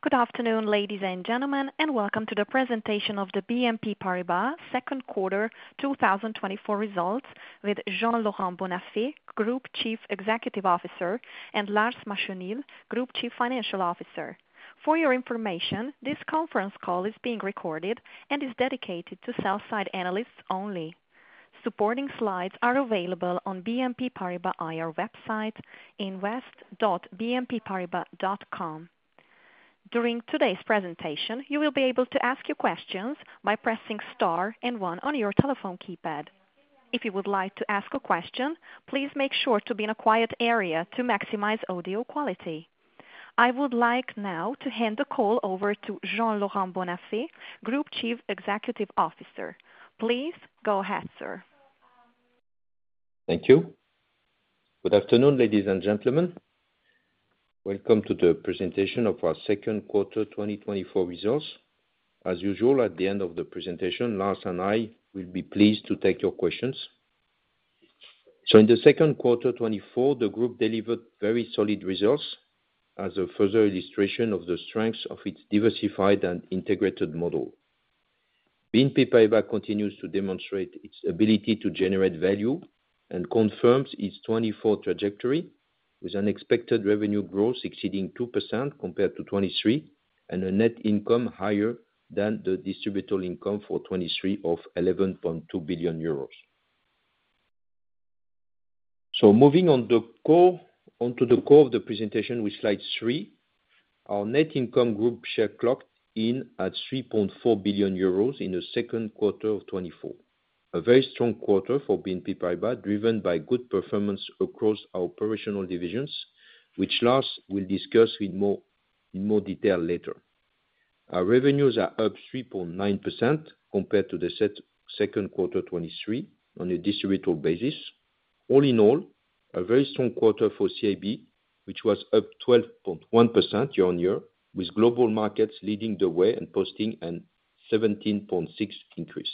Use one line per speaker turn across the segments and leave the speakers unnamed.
Good afternoon, ladies and gentlemen, and Welcome to the presentation of the BNP Paribas Second Quarter 2024 Results with Jean-Laurent Bonnafé, Group Chief Executive Officer, and Lars Machenil, Group Chief Financial Officer. For your information, this conference call is being recorded and is dedicated to sell-side analysts only. Supporting slides are available on BNP Paribas IR website invest.bnpparibas.com. During today's presentation, you will be able to ask your questions by pressing star and one on your telephone keypad. If you would like to ask a question, please make sure to be in a quiet area to maximize audio quality. I would like now to hand the call over to Jean-Laurent Bonnafé, Group Chief Executive Officer. Please go ahead, sir.
Thank you. Good afternoon, ladies and gentlemen. Welcome to the presentation of our Second Quarter 2024 Results. As usual, at the end of the presentation, Lars and I will be pleased to take your questions. So, in the second quarter 2024, the group delivered very solid results as a further illustration of the strengths of its diversified and integrated model. BNP Paribas continues to demonstrate its ability to generate value and confirms its 2024 trajectory with unexpected revenue growth exceeding 2% compared to 2023 and a net income higher than the distributable income for 2023 of 11.2 billion euros. So, moving onto the core of the presentation with slide three, our net income group share clocked in at 3.4 billion euros in the second quarter of 2024, a very strong quarter for BNP Paribas driven by good performance across our operational divisions, which Lars will discuss in more detail later. Our revenues are up 3.9% compared to the second quarter 2023 on a distributable basis. All in all, a very strong quarter for CIB, which was up 12.1% year-on-year, with Global Markets leading the way and posting a 17.6% increase.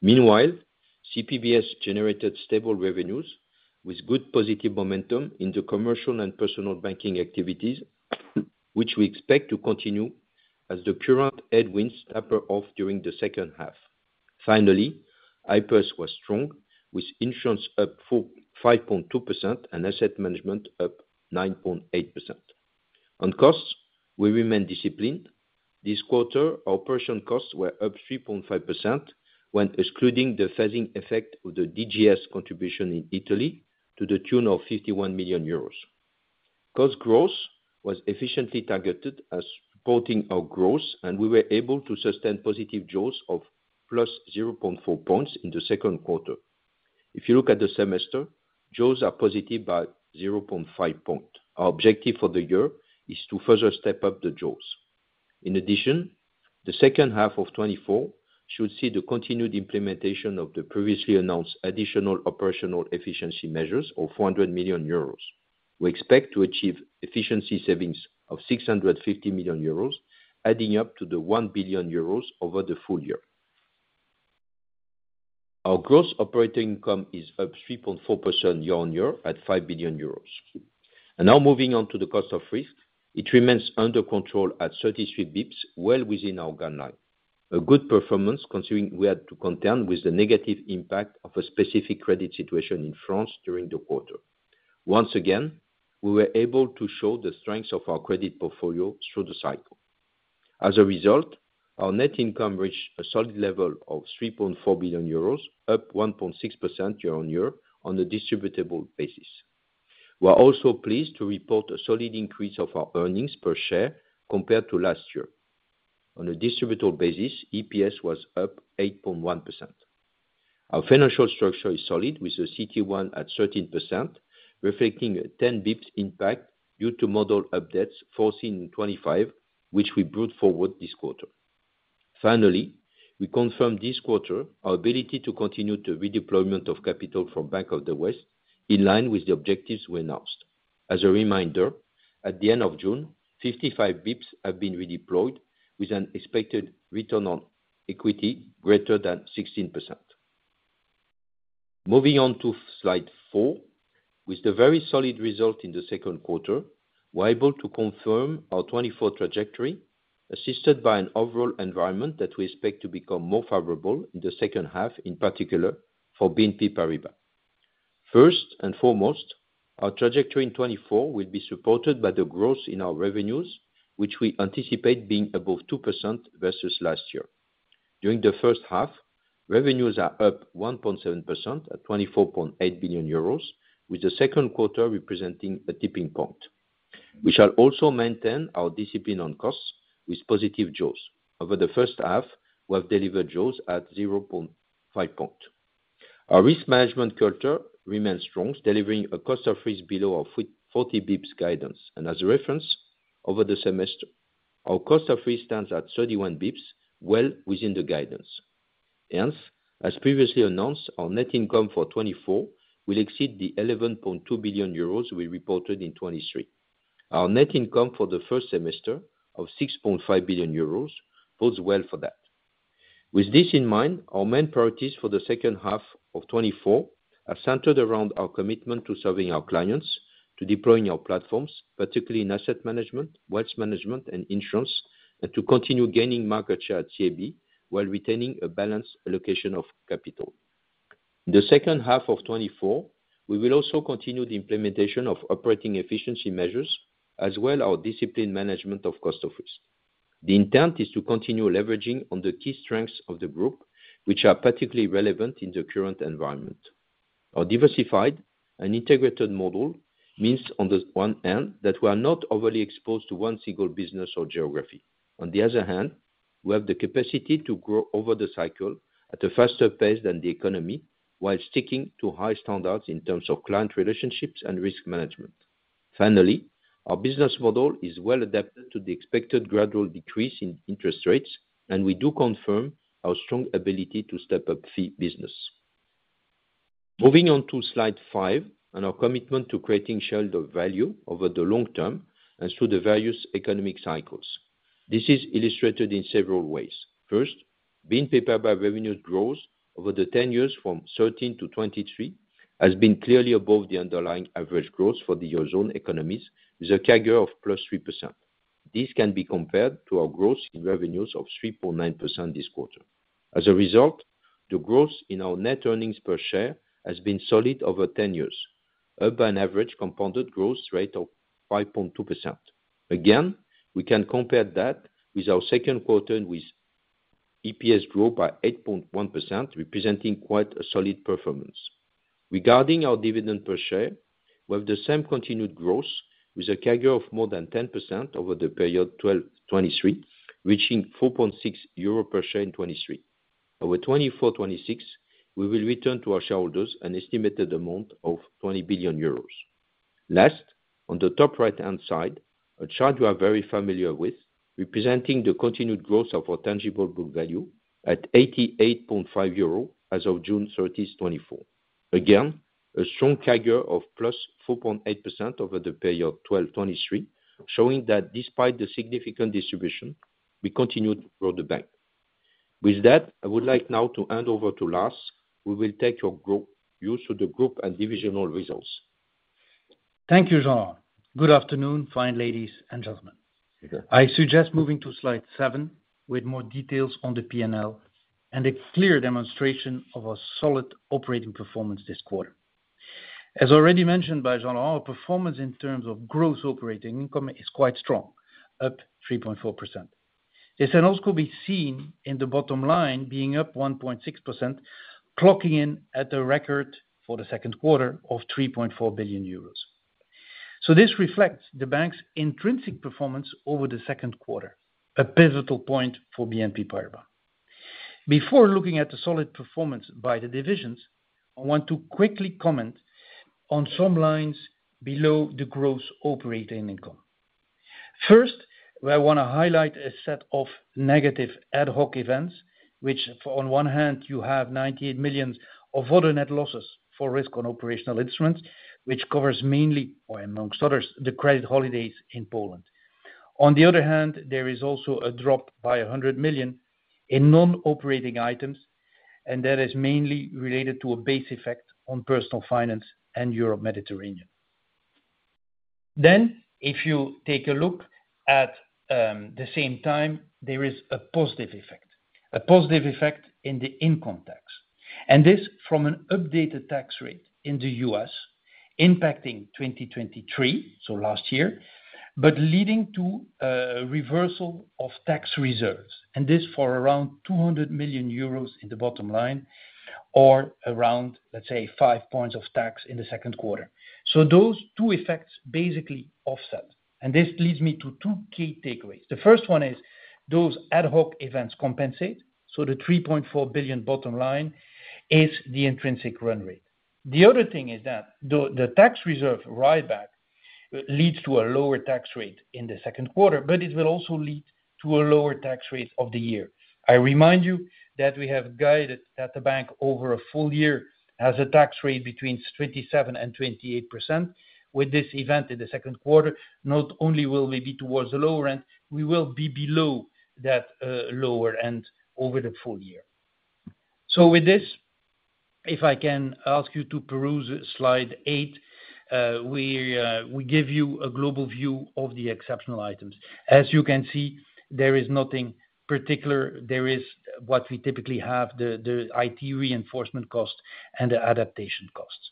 Meanwhile, CPBS generated stable revenues with good positive momentum in the Commercial and Personal Banking activities, which we expect to continue as the current headwinds taper off during the second half. Finally, IPS was strong with Insurance up 5.2% and Asset Management up 9.8%. On costs, we remain disciplined. This quarter, our operating costs were up 3.5% when excluding the phasing effect of the DGS contribution in Italy to the tune of 51 million euros. Cost growth was efficiently targeted as supporting our growth, and we were able to sustain positive jaws of +0.4 points in the second quarter. If you look at the semester, jaws are positive by 0.5 points. Our objective for the year is to further step up the jaws. In addition, the second half of 2024 should see the continued implementation of the previously announced additional operational efficiency measures of 400 million euros. We expect to achieve efficiency savings of 650 million euros, adding up to the 1 billion euros over the full year. Our gross operating income is up 3.4% year-on-year at 5 billion euros. Now moving on to the cost of risk, it remains under control at 33 basis points, well within our guideline. A good performance considering we had to contend with the negative impact of a specific credit situation in France during the quarter. Once again, we were able to show the strength of our credit portfolio through the cycle. As a result, our net income reached a solid level of 3.4 billion euros, up 1.6% year-over-year on a distributable basis. We are also pleased to report a solid increase of our earnings per share compared to last year. On a distributable basis, EPS was up 8.1%. Our financial structure is solid with a CET1 at 13%, reflecting a 10 basis points impact due to model updates foreseen in 2025, which we brought forward this quarter. Finally, we confirm this quarter our ability to continue the redeployment of capital from Bank of the West in line with the objectives we announced. As a reminder, at the end of June, 55 basis points have been redeployed with an expected return on equity greater than 16%. Moving on to slide four, with the very solid result in the second quarter, we are able to confirm our 2024 trajectory assisted by an overall environment that we expect to become more favorable in the second half, in particular for BNP Paribas. First and foremost, our trajectory in 2024 will be supported by the growth in our revenues, which we anticipate being above 2% versus last year. During the first half, revenues are up 1.7% at 24.8 billion euros, with the second quarter representing a tipping point. We shall also maintain our discipline on costs with positive jaws. Over the first half, we have delivered jaws at 0.5 points. Our risk management culture remains strong, delivering a cost of risk below our 40 basis points guidance. As a reference, over the semester, our cost of risk stands at 31 basis points, well within the guidance. Hence, as previously announced, our net income for 2024 will exceed the 11.2 billion euros we reported in 2023. Our net income for the first semester of 6.5 billion euros bodes well for that. With this in mind, our main priorities for the second half of 2024 are centered around our commitment to serving our clients, to deploying our platforms, particularly in Asset Management, Wealth Management, and Insurance, and to continue gaining market share at CIB while retaining a balanced allocation of capital. In the second half of 2024, we will also continue the implementation of operating efficiency measures as well as our discipline management of cost of risk. The intent is to continue leveraging on the key strengths of the group, which are particularly relevant in the current environment. Our diversified and integrated model means, on the one hand, that we are not overly exposed to one single business or geography. On the other hand, we have the capacity to grow over the cycle at a faster pace than the economy while sticking to high standards in terms of client relationships and risk management. Finally, our business model is well adapted to the expected gradual decrease in interest rates, and we do confirm our strong ability to step up the business. Moving on to slide five and our commitment to creating shareholder value over the long term and through the various economic cycles. This is illustrated in several ways. First, BNP Paribas revenues growth over the 10 years from 2013 to 2023 has been clearly above the underlying average growth for the eurozone economies with a CAGR of +3%. This can be compared to our growth in revenues of 3.9% this quarter. As a result, the growth in our net earnings per share has been solid over 10 years, up an average compounded growth rate of 5.2%. Again, we can compare that with our second quarter with EPS growth by 8.1%, representing quite a solid performance. Regarding our dividend per share, we have the same continued growth with a CAGR of more than 10% over the period 2023, reaching 4.6 euro per share in 2023. Over 2024-2026, we will return to our shareholders an estimated amount of 20 billion euros. Last, on the top right-hand side, a chart you are very familiar with, representing the continued growth of our tangible book value at 88.5 euro as of June 30th, 2024. Again, a strong CAGR of +4.8% over the period 2012-2023, showing that despite the significant distribution, we continued to grow the bank. With that, I would like now to hand over to Lars. We will take your views to the group and divisional results.
Thank you, Jean. Good afternoon, fine ladies and gentlemen. I suggest moving to slide 7 with more details on the P&L and a clear demonstration of a solid operating performance this quarter. As already mentioned by Jean, our performance in terms of gross operating income is quite strong, up 3.4%. This can also be seen in the bottom line being up 1.6%, clocking in at a record for the second quarter of 3.4 billion euros. So this reflects the bank's intrinsic performance over the second quarter, a pivotal point for BNP Paribas. Before looking at the solid performance by the divisions, I want to quickly comment on some lines below the gross operating income. First, I want to highlight a set of negative ad hoc events, which on one hand, you have 98 million of other net losses from operational risk, which covers mainly, or amongst others, the credit holidays in Poland. On the other hand, there is also a drop by 100 million in non-operating items, and that is mainly related to a base effect on personal finance and Europe-Mediterranean. Then, if you take a look at the same time, there is a positive effect, a positive effect in the income tax. And this from an updated tax rate in the U.S. impacting 2023, so last year, but leading to a reversal of tax reserves. And this for around 200 million euros in the bottom line or around, let's say, 5 points of tax in the second quarter. So those two effects basically offset. This leads me to two key takeaways. The first one is those ad hoc events compensate. So the 3.4 billion bottom line is the intrinsic run rate. The other thing is that the tax reserve write-back leads to a lower tax rate in the second quarter, but it will also lead to a lower tax rate of the year. I remind you that we have guided that the bank over a full year has a tax rate between 27% and 28%. With this event in the second quarter, not only will we be towards the lower end, we will be below that lower end over the full year. So with this, if I can ask you to peruse slide eight, we give you a global view of the exceptional items. As you can see, there is nothing particular. There is what we typically have, the IT reinforcement cost and the adaptation costs.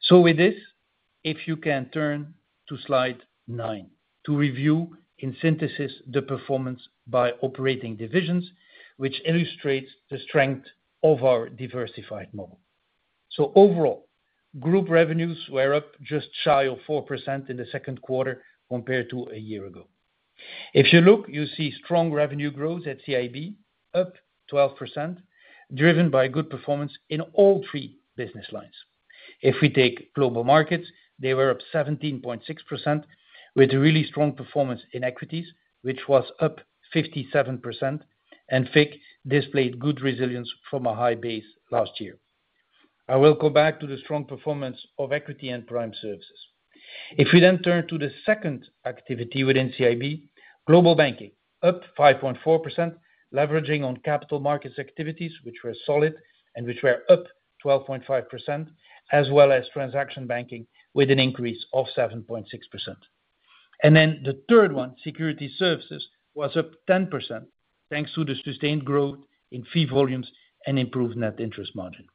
So with this, if you can turn to slide 9 to review in synthesis the performance by operating divisions, which illustrates the strength of our diversified model. So overall, group revenues were up just shy of 4% in the second quarter compared to a year ago. If you look, you see strong revenue growth at CIB, up 12%, driven by good performance in all three business lines. If we take Global Markets, they were up 17.6% with a really strong performance in Equities, which was up 57%, and FICC displayed good resilience from a high base last year. I will go back to the strong performance of Equity and Prime Services. If we then turn to the second activity within CIB, Global Banking, up 5.4%, leveraging on capital markets activities, which were solid and which were up 12.5%, as well as transaction banking with an increase of 7.6%. And then the third one, Securities Services, was up 10% thanks to the sustained growth in fee volumes and improved net interest margin.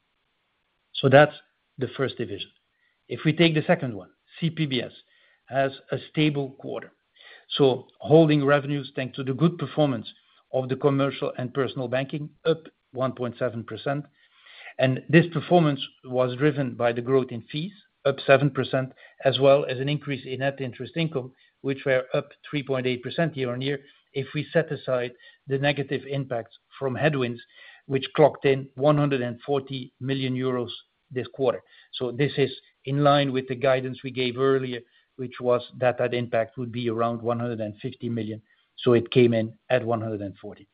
So that's the first division. If we take the second one, CPBS has a stable quarter. So holding revenues thanks to the good performance of the Commercial and Personal Banking, up 1.7%. And this performance was driven by the growth in fees, up 7%, as well as an increase in net interest income, which were up 3.8% year-on-year if we set aside the negative impacts from headwinds, which clocked in 140 million euros this quarter. So this is in line with the guidance we gave earlier, which was that that impact would be around 150 million. So it came in at 140 million.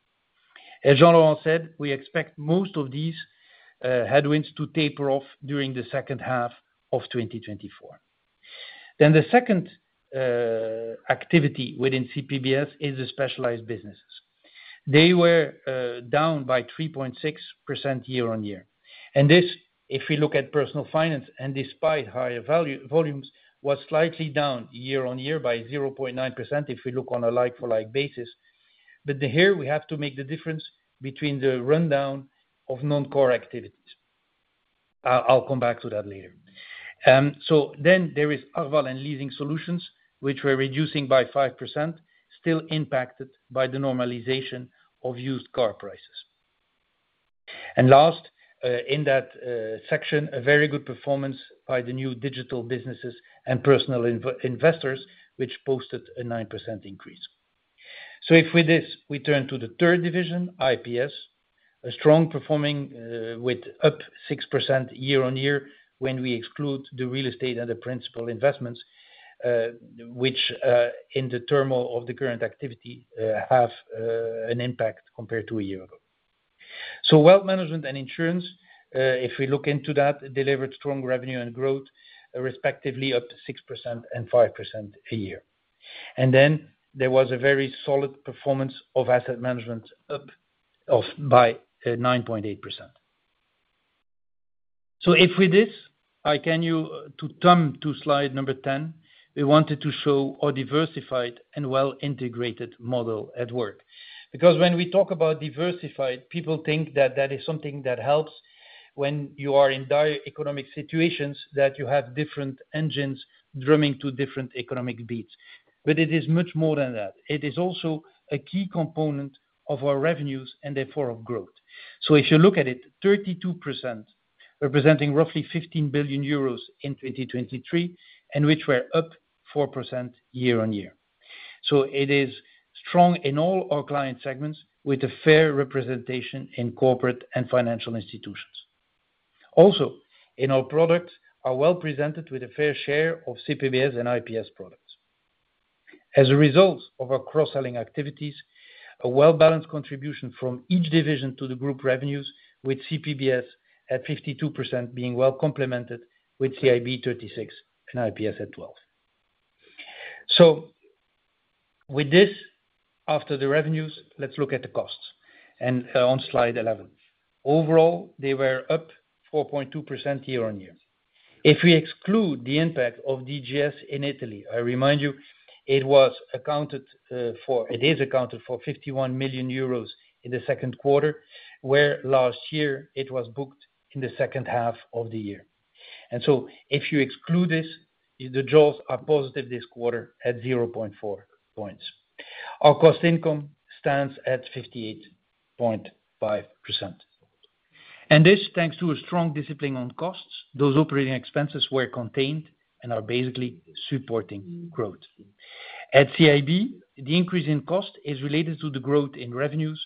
As Jean-Laurent said, we expect most of these headwinds to taper off during the second half of 2024. Then the second activity within CPBS is the specialized businesses. They were down by 3.6% year-over-year. And this, if we look at personal finance and despite higher volumes, was slightly down year-over-year by 0.9% if we look on a like-for-like basis. But here we have to make the difference between the rundown of non-core activities. I'll come back to that later. So then there is Arval and Leasing Solutions, which were reducing by 5%, still impacted by the normalization of used car prices. Last in that section, a very good performance by the New Digital Businesses and personal investors, which posted a 9% increase. With this we turn to the third division, IPS, a strong performance with up 6% year-on-year when we exclude the Real Estate and the Principal Investments, which in the turmoil of the current activity have an impact compared to a year ago. Wealth Management and Insurance, if we look into that, delivered strong revenue and growth, respectively up 6% and 5% a year. Then there was a very solid performance of Asset Management up by 9.8%. With this, I ask you to come to slide number 10, we wanted to show a diversified and well-integrated model at work. Because when we talk about diversified, people think that that is something that helps when you are in dire economic situations that you have different engines drumming to different economic beats. But it is much more than that. It is also a key component of our revenues and therefore of growth. So if you look at it, 32% representing roughly 15 billion euros in 2023, and which were up 4% year-over-year. So it is strong in all our client segments with a fair representation in corporate and financial institutions. Also, in our products, we're well represented with a fair share of CPBS and IPS products. As a result of our cross-selling activities, a well-balanced contribution from each division to the group revenues with CPBS at 52% being well complemented with CIB 36% and IPS at 12%. So with this, after the revenues, let's look at the costs. On slide 11, overall, they were up 4.2% year-on-year. If we exclude the impact of DGS in Italy, I remind you, it was accounted for, it is accounted for 51 million euros in the second quarter, where last year it was booked in the second half of the year. So if you exclude this, the jaws are positive this quarter at 0.4 points. Our cost income stands at 58.5%. And this thanks to a strong discipline on costs, those operating expenses were contained and are basically supporting growth. At CIB, the increase in cost is related to the growth in revenues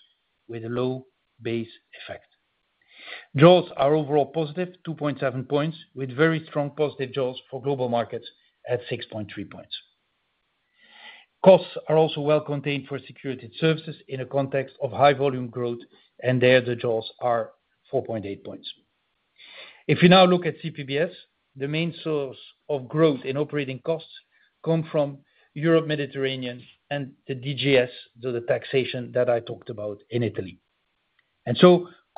with a low base effect. Jaws are overall +2.7 points, with very strong positive jaws for Global Markets at 6.3 points. Costs are also well contained for Securities Services in a context of high volume growth, and there the jaws are 4.8 points. If you now look at CPBS, the main source of growth in operating costs comes from Europe-Mediterranean and the DGS, the taxation that I talked about in Italy.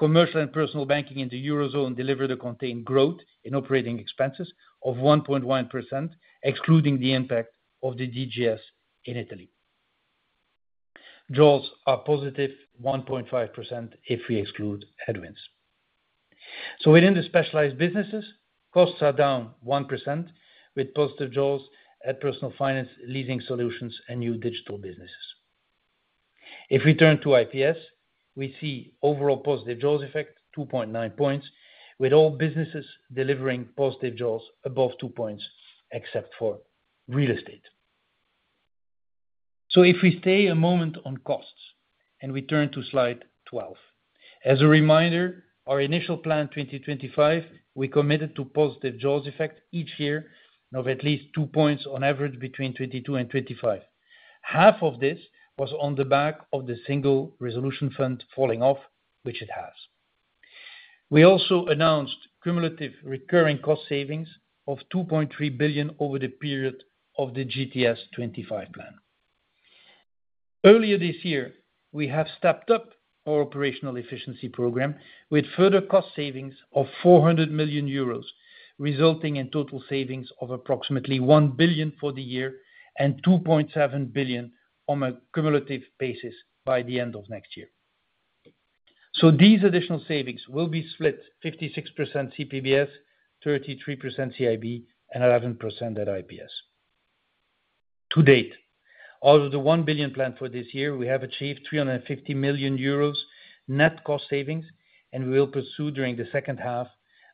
Commercial and Personal Banking in the Eurozone delivered a contained growth in operating expenses of 1.1%, excluding the impact of the DGS in Italy. Jaws are +1.5% if we exclude headwinds. Within the specialized businesses, costs are down 1% with positive Jaws at Personal Finance, Leasing Solutions, and New Digital Businesses. If we turn to IPS, we see overall positive Jaws effect, 2.9 points, with all businesses delivering positive Jaws above 2 points except for Real Estate. If we stay a moment on costs and we turn to slide 12, as a reminder, our initial plan 2025, we committed to positive Jaws effect each year of at least 2 points on average between 2022 and 2025. Half of this was on the back of the Single Resolution Fund falling off, which it has. We also announced cumulative recurring cost savings of 2.3 billion over the period of the GTS 25 plan. Earlier this year, we have stepped up our operational efficiency program with further cost savings of 400 million euros, resulting in total savings of approximately 1 billion for the year and 2.7 billion on a cumulative basis by the end of next year. These additional savings will be split 56% CPBS, 33% CIB, and 11% at IPS. To date, out of the 1 billion plan for this year, we have achieved 350 million euros net cost savings, and we will pursue during the second half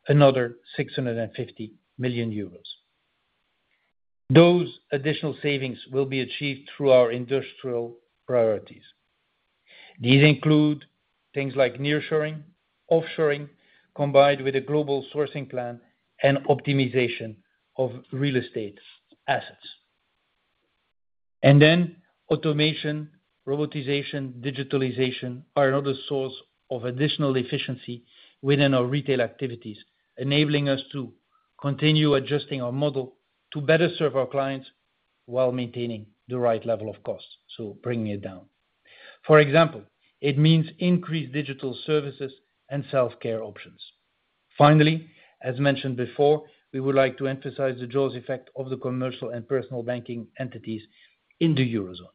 another 650 million euros. Those additional savings will be achieved through our industrial priorities. These include things like nearshoring, offshoring, combined with a global sourcing plan and optimization of real estate assets. Then automation, robotization, digitalization are another source of additional efficiency within our retail activities, enabling us to continue adjusting our model to better serve our clients while maintaining the right level of cost, so bringing it down. For example, it means increased digital services and self-care options. Finally, as mentioned before, we would like to emphasize the Jaws effect of the Commercial and Personal Banking entities in the Eurozone.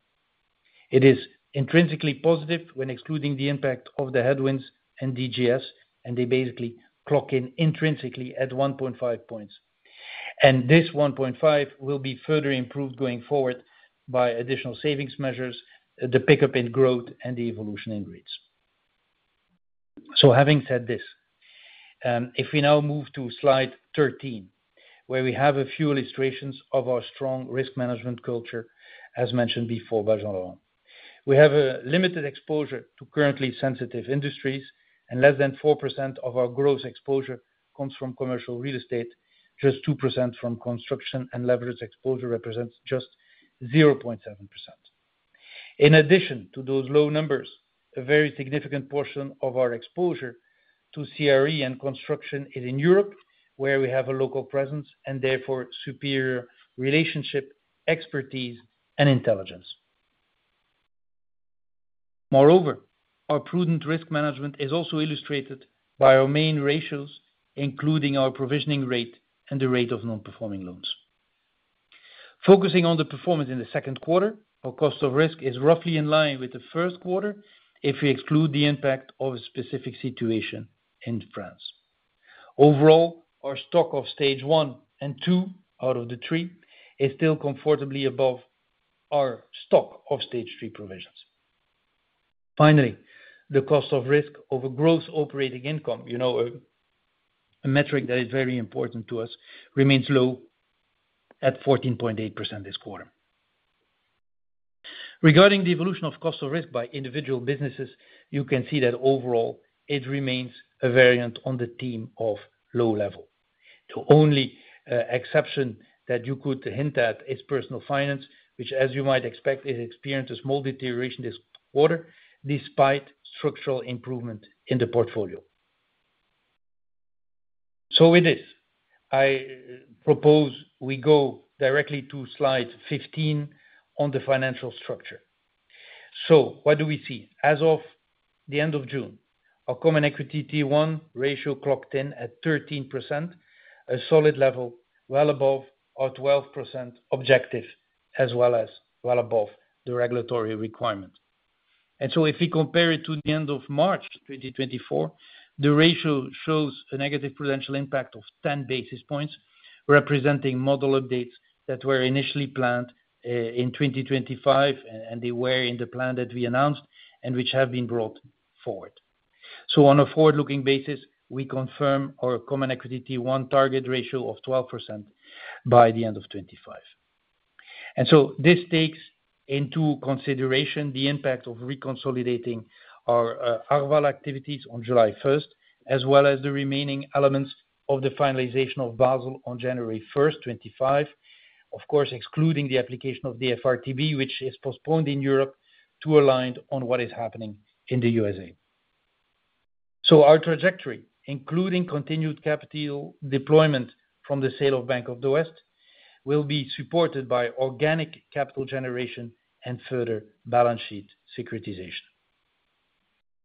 It is intrinsically positive when excluding the impact of the headwinds and DGS, and they basically clock in intrinsically at 1.5 points. And this 1.5 will be further improved going forward by additional savings measures, the pickup in growth, and the evolution in rates. So having said this, if we now move to slide 13, where we have a few illustrations of our strong risk management culture, as mentioned before by Jean-Laurent. We have a limited exposure to currently sensitive industries, and less than 4% of our gross exposure comes from commercial real estate, just 2% from construction, and leverage exposure represents just 0.7%. In addition to those low numbers, a very significant portion of our exposure to CRE and construction is in Europe, where we have a local presence and therefore superior relationship, expertise, and intelligence. Moreover, our prudent risk management is also illustrated by our main ratios, including our provisioning rate and the rate of non-performing loans. Focusing on the performance in the second quarter, our cost of risk is roughly in line with the first quarter if we exclude the impact of a specific situation in France. Overall, our stock of stage one and two out of the three is still comfortably above our stock of stage three provisions. Finally, the cost of risk over gross operating income, you know a metric that is very important to us, remains low at 14.8% this quarter. Regarding the evolution of cost of risk by individual businesses, you can see that overall it remains a variant on the theme of low level. The only exception that you could hint at is Personal Finance, which, as you might expect, is experiencing a small deterioration this quarter despite structural improvement in the portfolio. So with this, I propose we go directly to slide 15 on the financial structure. So what do we see? As of the end of June, our Common Equity Tier 1 ratio clocked in at 13%, a solid level well above our 12% objective, as well as well above the regulatory requirement. And so if we compare it to the end of March 2024, the ratio shows a negative prudential impact of 10 basis points, representing model updates that were initially planned in 2025, and they were in the plan that we announced and which have been brought forward. So on a forward-looking basis, we confirm our Common Equity Tier 1 target ratio of 12% by the end of 2025. And so this takes into consideration the impact of reconsolidating our Arval activities on July 1st, as well as the remaining elements of the finalization of Basel on January 1st, 2025, of course, excluding the application of the FRTB, which is postponed in Europe to align on what is happening in the USA. So our trajectory, including continued capital deployment from the sale of Bank of the West, will be supported by organic capital generation and further balance sheet securitization.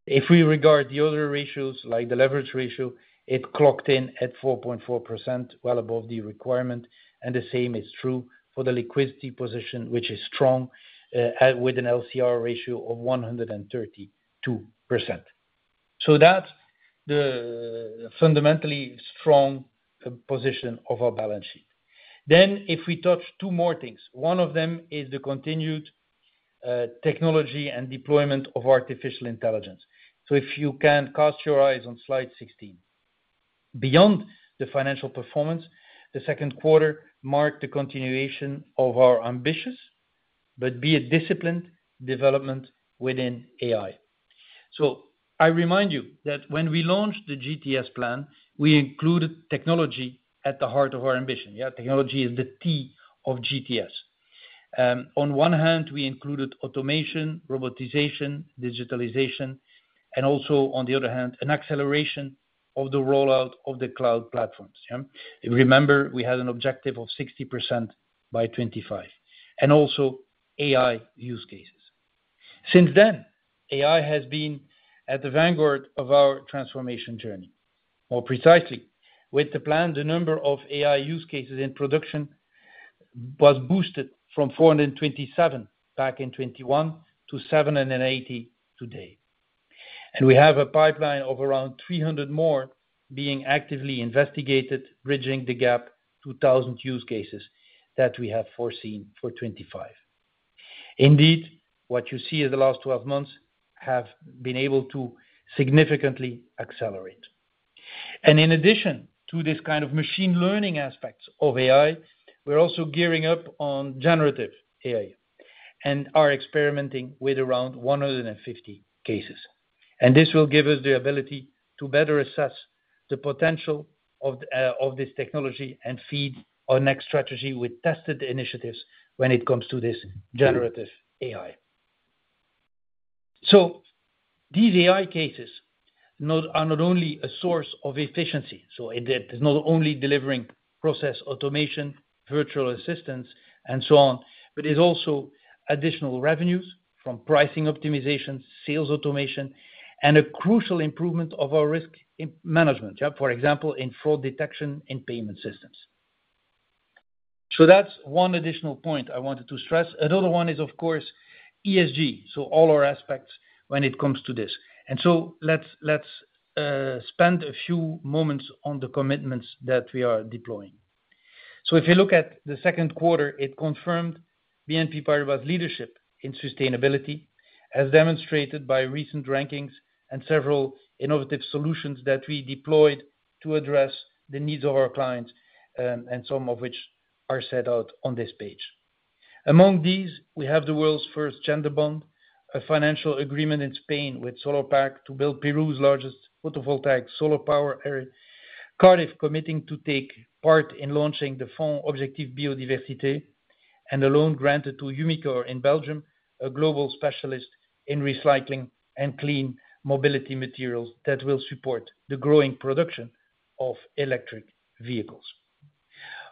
If we regard the other ratios like the leverage ratio, it clocked in at 4.4%, well above the requirement, and the same is true for the liquidity position, which is strong with an LCR ratio of 132%. So that's the fundamentally strong position of our balance sheet. Then if we touch two more things, one of them is the continued technology and deployment of artificial intelligence. So if you can cast your eyes on slide 16, beyond the financial performance, the second quarter marked the continuation of our ambitious but be it disciplined development within AI. So I remind you that when we launched the GTS plan, we included technology at the heart of our ambition. Yeah, technology is the T of GTS. On one hand, we included automation, robotization, digitalization, and also on the other hand, an acceleration of the rollout of the cloud platforms. Remember, we had an objective of 60% by 2025, and also AI use cases. Since then, AI has been at the vanguard of our transformation journey. More precisely, with the plan, the number of AI use cases in production was boosted from 427 back in 2021 to 780 today. And we have a pipeline of around 300 more being actively investigated, bridging the gap to 1,000 use cases that we have foreseen for 2025. Indeed, what you see in the last 12 months have been able to significantly accelerate. And in addition to this kind of machine learning aspects of AI, we're also gearing up on generative AI and are experimenting with around 150 cases. And this will give us the ability to better assess the potential of this technology and feed our next strategy with tested initiatives when it comes to this generative AI. So these AI cases are not only a source of efficiency, so it is not only delivering process automation, virtual assistance, and so on, but it is also additional revenues from pricing optimization, sales automation, and a crucial improvement of our risk management, for example, in fraud detection in payment systems. So that's one additional point I wanted to stress. Another one is, of course, ESG, so all our aspects when it comes to this. And so let's spend a few moments on the commitments that we are deploying. So if you look at the second quarter, it confirmed BNP Paribas' leadership in sustainability, as demonstrated by recent rankings and several innovative solutions that we deployed to address the needs of our clients, and some of which are set out on this page. Among these, we have the world's first gender bond, a financial agreement in Spain with Solarpack to build Peru's largest photovoltaic solar power area, Cardif committing to take part in launching the Fonds Objectif Biodiversité, and a loan granted to Umicore in Belgium, a global specialist in recycling and clean mobility materials that will support the growing production of electric vehicles.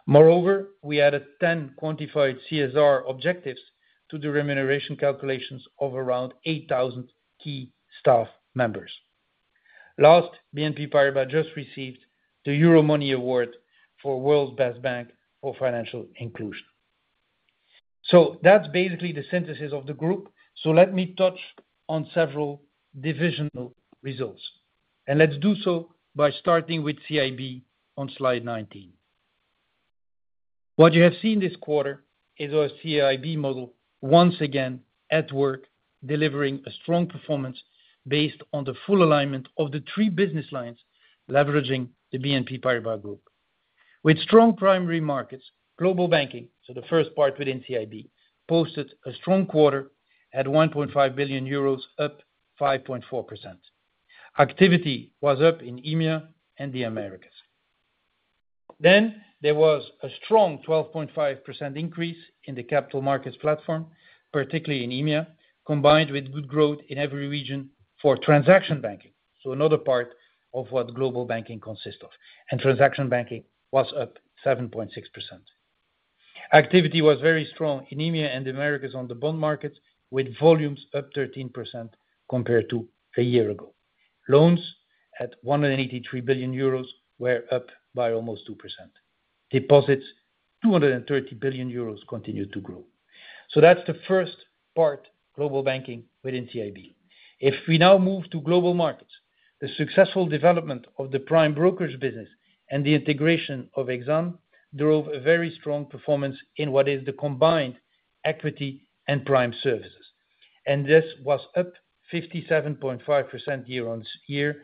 Moreover, we added 10 quantified CSR objectives to the remuneration calculations of around 8,000 key staff members. Last, BNP Paribas just received the Euromoney Award for World's Best Bank for Financial Inclusion. So that's basically the synthesis of the group. So let me touch on several divisional results. Let's do so by starting with CIB on slide 19. What you have seen this quarter is our CIB model once again at work, delivering a strong performance based on the full alignment of the three business lines leveraging the BNP Paribas Group. With strong primary markets, Global Banking, so the first part within CIB, posted a strong quarter, had 1.5 billion euros up 5.4%. Activity was up in EMEA and the Americas. There was a strong 12.5% increase in the capital markets platform, particularly in EMEA, combined with good growth in every region for Transaction Banking, so another part of what Global Banking consists of. Transaction Banking was up 7.6%. Activity was very strong in EMEA and the Americas on the bond markets, with volumes up 13% compared to a year ago. Loans at 183 billion euros were up by almost 2%. Deposits, 230 billion euros, continued to grow. That's the first part, Global Banking within CIB. If we now move to Global Markets, the successful development of the prime brokerage business and the integration of Exane drove a very strong performance in what is the combined Equity and Prime Services. This was up 57.5% year-on-year,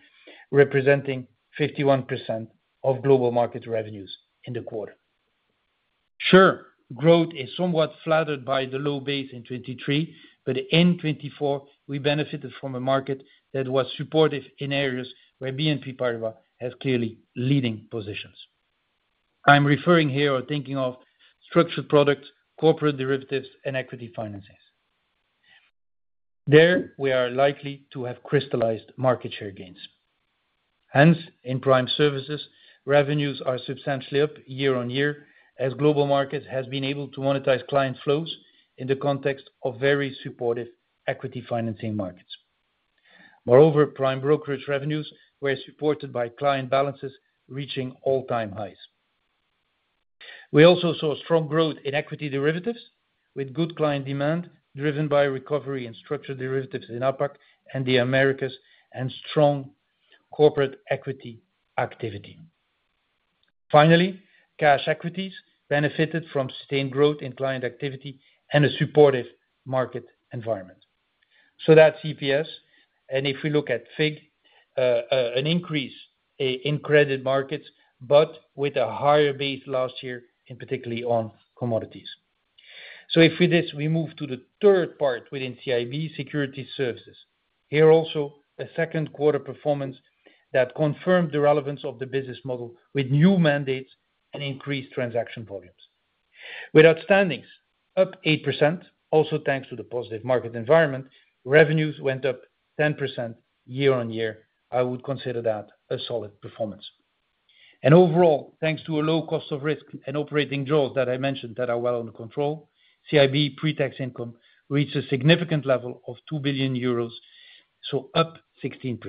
representing 51% of Global Markets revenues in the quarter. Sure, growth is somewhat flattered by the low base in 2023, but in 2024, we benefited from a market that was supportive in areas where BNP Paribas has clearly leading positions. I'm referring here or thinking of structured products, corporate derivatives, and equity finance. There we are likely to have crystallized market share gains. Hence, in prime services, revenues are substantially up year-on-year, as Global Markets have been able to monetize client flows in the context of very supportive equity financing markets. Moreover, prime brokerage revenues were supported by client balances reaching all-time highs. We also saw strong growth in equity derivatives, with good client demand driven by recovery in structured derivatives in APAC and the Americas and strong corporate equity activity. Finally, cash equities benefited from sustained growth in client activity and a supportive market environment. So that's EPS. And if we look at FIG, an increase in credit markets, but with a higher base last year, particularly on commodities. So if we move to the third part within CIB, Securities Services. Here also, a second-quarter performance that confirmed the relevance of the business model with new mandates and increased transaction volumes. With outstandings up 8%, also thanks to the positive market environment, revenues went up 10% year-on-year. I would consider that a solid performance. Overall, thanks to a low cost of risk and operating jaws that I mentioned that are well under control, CIB pre-tax income reached a significant level of 2 billion euros, so up 16%.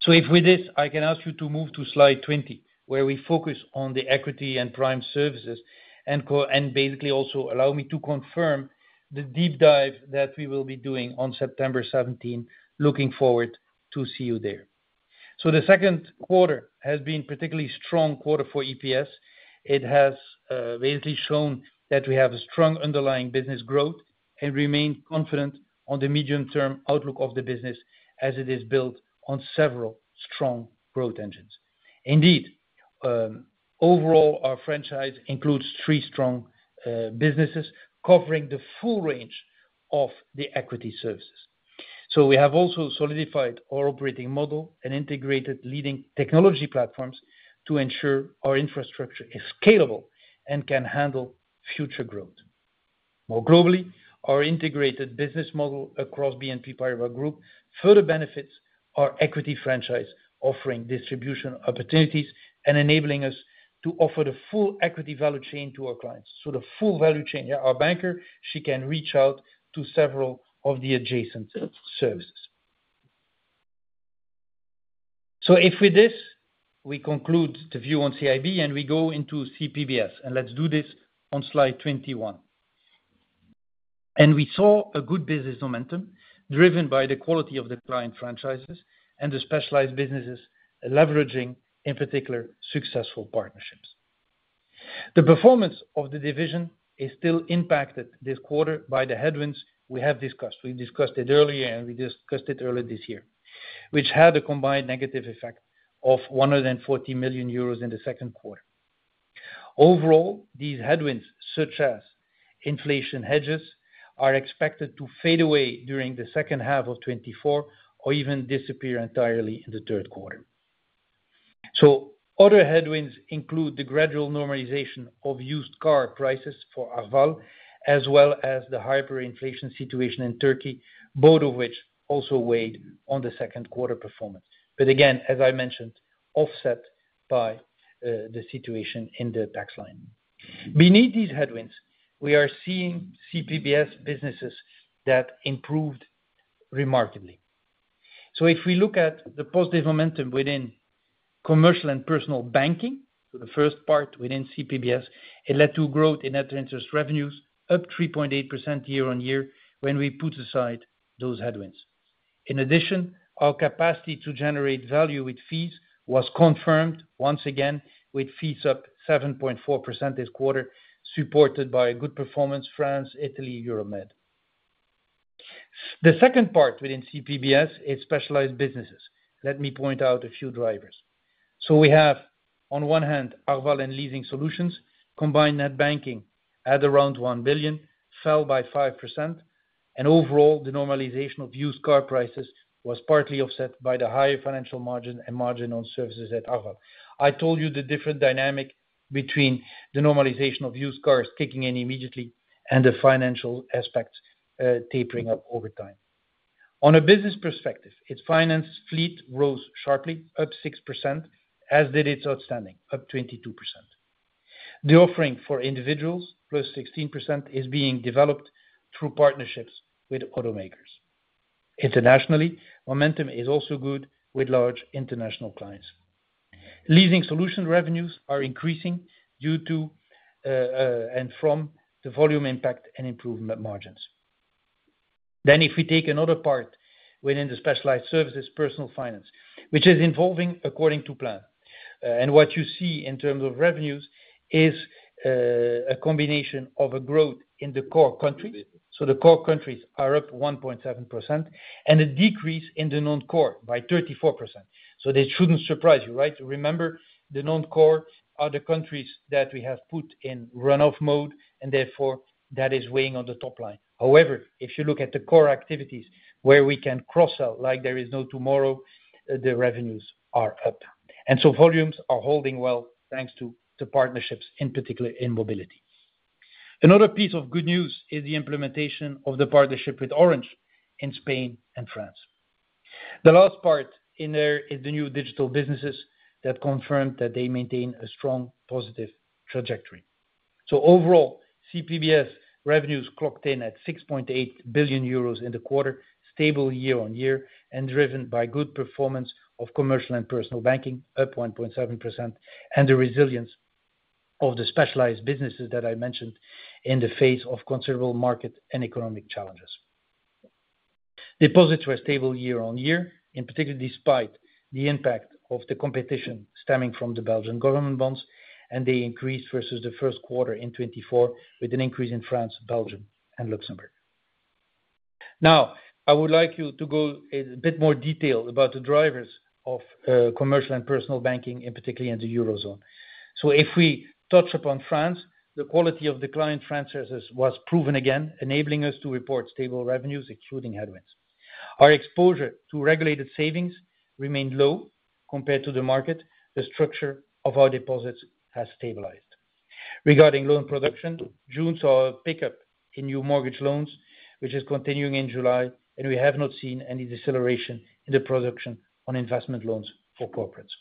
So, with this, I can ask you to move to slide 20, where we focus on the Equity and Prime Services, and basically also allow me to confirm the deep dive that we will be doing on September 17, looking forward to see you there. So the second quarter has been a particularly strong quarter for EPS. It has basically shown that we have a strong underlying business growth and remain confident on the medium-term outlook of the business as it is built on several strong growth engines. Indeed, overall, our franchise includes three strong businesses covering the full range of the equity services. So we have also solidified our operating model and integrated leading technology platforms to ensure our infrastructure is scalable and can handle future growth. More globally, our integrated business model across BNP Paribas Group further benefits our equity franchise, offering distribution opportunities and enabling us to offer the full equity value chain to our clients. So the full value chain, our banker, she can reach out to several of the adjacent services. So if with this, we conclude the view on CIB and we go into CPBS, and let's do this on slide 21. We saw a good business momentum driven by the quality of the client franchises and the specialized businesses leveraging, in particular, successful partnerships. The performance of the division is still impacted this quarter by the headwinds we have discussed. We discussed it earlier, and we discussed it early this year, which had a combined negative effect of 140 million euros in the second quarter. Overall, these headwinds, such as inflation hedges, are expected to fade away during the second half of 2024 or even disappear entirely in the third quarter. So other headwinds include the gradual normalization of used car prices for Arval, as well as the hyperinflation situation in Turkey, both of which also weighed on the second quarter performance. But again, as I mentioned, offset by the situation in the tax line. Beneath these headwinds, we are seeing CPBS businesses that improved remarkably. So if we look at the positive momentum within Commercial and Personal Banking, so the first part within CPBS, it led to growth in net interest revenues, up 3.8% year-over-year when we put aside those headwinds. In addition, our capacity to generate value with fees was confirmed once again with fees up 7.4% this quarter, supported by a good performance in France, Italy, Euromed. The second part within CPBS is specialized businesses. Let me point out a few drivers. So we have, on one hand, Arval and Leasing Solutions, combined net banking at around 1 billion, fell by 5%. And overall, the normalization of used car prices was partly offset by the higher financial margin and margin on services at Arval. I told you the different dynamic between the normalization of used cars kicking in immediately and the financial aspects tapering up over time. On a business perspective, its finance fleet rose sharply, up 6%, as did its outstanding, up 22%. The offering for individuals, +16%, is being developed through partnerships with automakers. Internationally, momentum is also good with large international clients. Leasing Solutions revenues are increasing due to and from the volume impact and improvement margins. Then if we take another part within the specialized services, personal finance, which is evolving according to plan. And what you see in terms of revenues is a combination of a growth in the core countries. So the core countries are up 1.7% and a decrease in the non-core by 34%. So this shouldn't surprise you, right? Remember, the non-core are the countries that we have put in runoff mode, and therefore that is weighing on the top line. However, if you look at the core activities where we can cross-sell, like there is no tomorrow, the revenues are up. And so volumes are holding well thanks to the partnerships, in particular in mobility. Another piece of good news is the implementation of the partnership with Orange in Spain and France. The last part in there is the New Digital Businesses that confirmed that they maintain a strong positive trajectory. So overall, CPBS revenues clocked in at 6.8 billion euros in the quarter, stable year-on-year, and driven by good performance of Commercial and Personal Banking, up 1.7%, and the resilience of the specialized businesses that I mentioned in the face of considerable market and economic challenges. Deposits were stable year-on-year, in particular despite the impact of the competition stemming from the Belgian government bonds and the increase versus the first quarter in 2024, with an increase in France, Belgium, and Luxembourg. Now, I would like you to go in a bit more detail about the drivers of Commercial and Personal Banking, in particular in the Eurozone. So if we touch upon France, the quality of the client France services was proven again, enabling us to report stable revenues, excluding headwinds. Our exposure to regulated savings remained low compared to the market. The structure of our deposits has stabilized. Regarding loan production, June saw a pickup in new mortgage loans, which is continuing in July, and we have not seen any deceleration in the production on investment loans for corporates.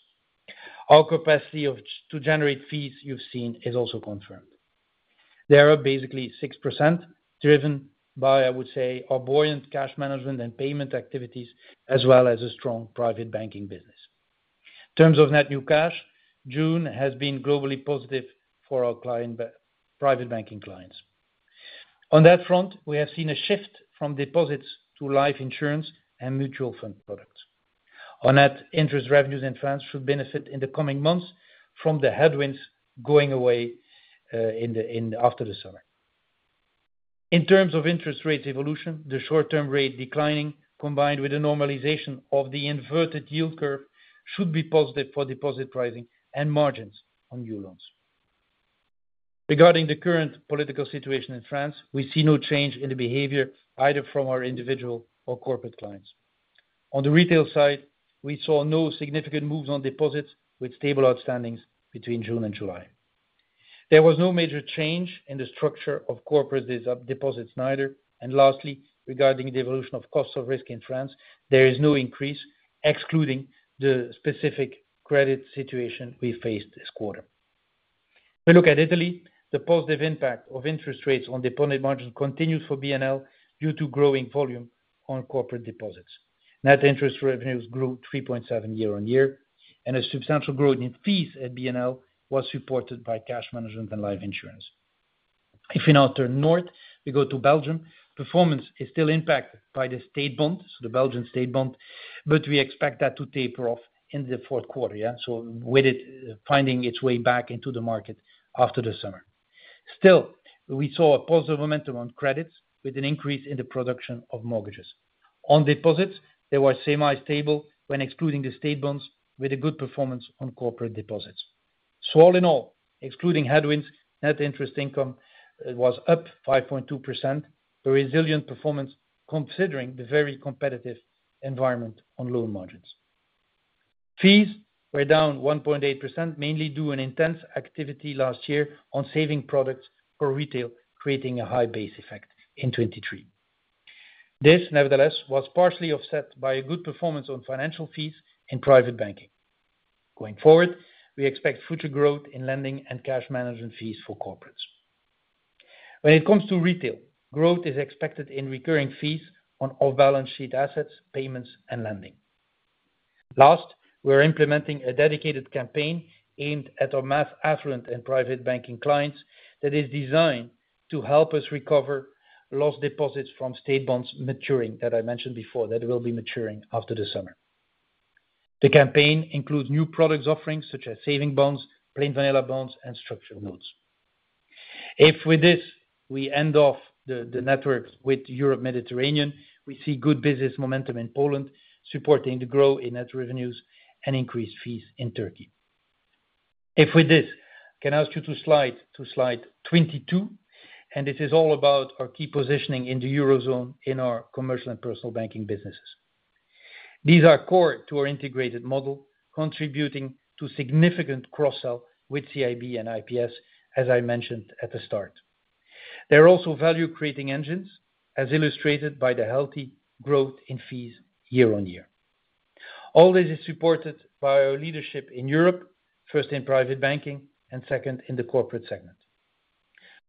Our capacity to generate fees you've seen is also confirmed. There are basically 6% driven by, I would say, our buoyant cash management and payment activities, as well as a strong private banking business. In terms of net new cash, June has been globally positive for our client private banking clients. On that front, we have seen a shift from deposits to life Insurance and mutual fund products. On that, interest revenues in France should benefit in the coming months from the headwinds going away after the summer. In terms of interest rate evolution, the short-term rate declining, combined with the normalization of the inverted yield curve, should be positive for deposit pricing and margins on new loans. Regarding the current political situation in France, we see no change in the behavior either from our individual or corporate clients. On the retail side, we saw no significant moves on deposits with stable outstandings between June and July. There was no major change in the structure of corporate deposits neither. Lastly, regarding the evolution of cost of risk in France, there is no increase, excluding the specific credit situation we faced this quarter. We look at Italy. The positive impact of interest rates on deposit margins continues for BNL due to growing volume on corporate deposits. Net interest revenues grew 3.7% year-on-year, and a substantial growth in fees at BNL was supported by cash management and life Insurance. If we now turn north, we go to Belgium. Performance is still impacted by the state bond, so the Belgian state bond, but we expect that to taper off in the fourth quarter, yeah, so with it finding its way back into the market after the summer. Still, we saw a positive momentum on credits with an increase in the production of mortgages. On deposits, they were semi-stable when excluding the state bonds, with a good performance on corporate deposits. So all in all, excluding headwinds, net interest income was up 5.2%, a resilient performance considering the very competitive environment on loan margins. Fees were down 1.8%, mainly due to an intense activity last year on saving products for retail, creating a high base effect in 2023. This, nevertheless, was partially offset by a good performance on financial fees in private banking. Going forward, we expect future growth in lending and cash management fees for corporates. When it comes to retail, growth is expected in recurring fees on off-balance sheet assets, payments, and lending. Last, we are implementing a dedicated campaign aimed at our mass affluent and private banking clients that is designed to help us recover lost deposits from state bonds maturing that I mentioned before that will be maturing after the summer. The campaign includes new product offerings such as saving bonds, plain vanilla bonds, and structured notes. If with this we end off the network with Europe-Mediterranean, we see good business momentum in Poland, supporting the growth in net revenues and increased fees in Turkey. If with this, can I ask you to slide to slide 22? And this is all about our key positioning in the Eurozone in our Commercial and Personal Banking businesses. These are core to our integrated model, contributing to significant cross-sell with CIB and IPS, as I mentioned at the start. They're also value-creating engines, as illustrated by the healthy growth in fees year-on-year. All this is supported by our leadership in Europe, first in private banking and second in the corporate segment.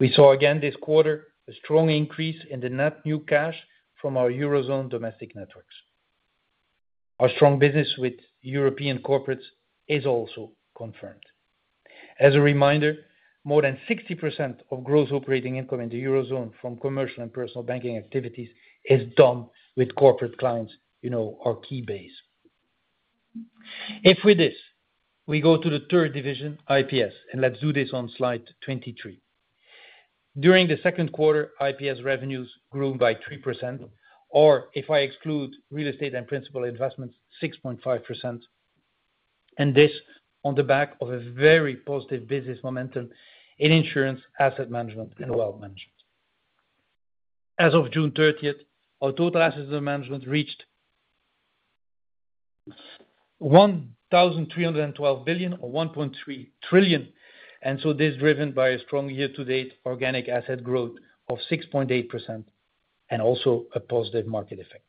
We saw again this quarter a strong increase in the net new cash from our Eurozone domestic networks. Our strong business with European corporates is also confirmed. As a reminder, more than 60% of gross operating income in the Eurozone from Commercial and Personal Banking activities is done with corporate clients, you know, our key base. If with this, we go to the third division, IPS, and let's do this on slide 23. During the second quarter, IPS revenues grew by 3%, or if I exclude Real Estate and Principal Investments, 6.5%, and this on the back of a very positive business momentum in Insurance, Asset Management, and Wealth Management. As of June 30th, our total Asset Management reached 1,312 billion or 1.3 trillion, and so this is driven by a strong year-to-date organic asset growth of 6.8% and also a positive market effect.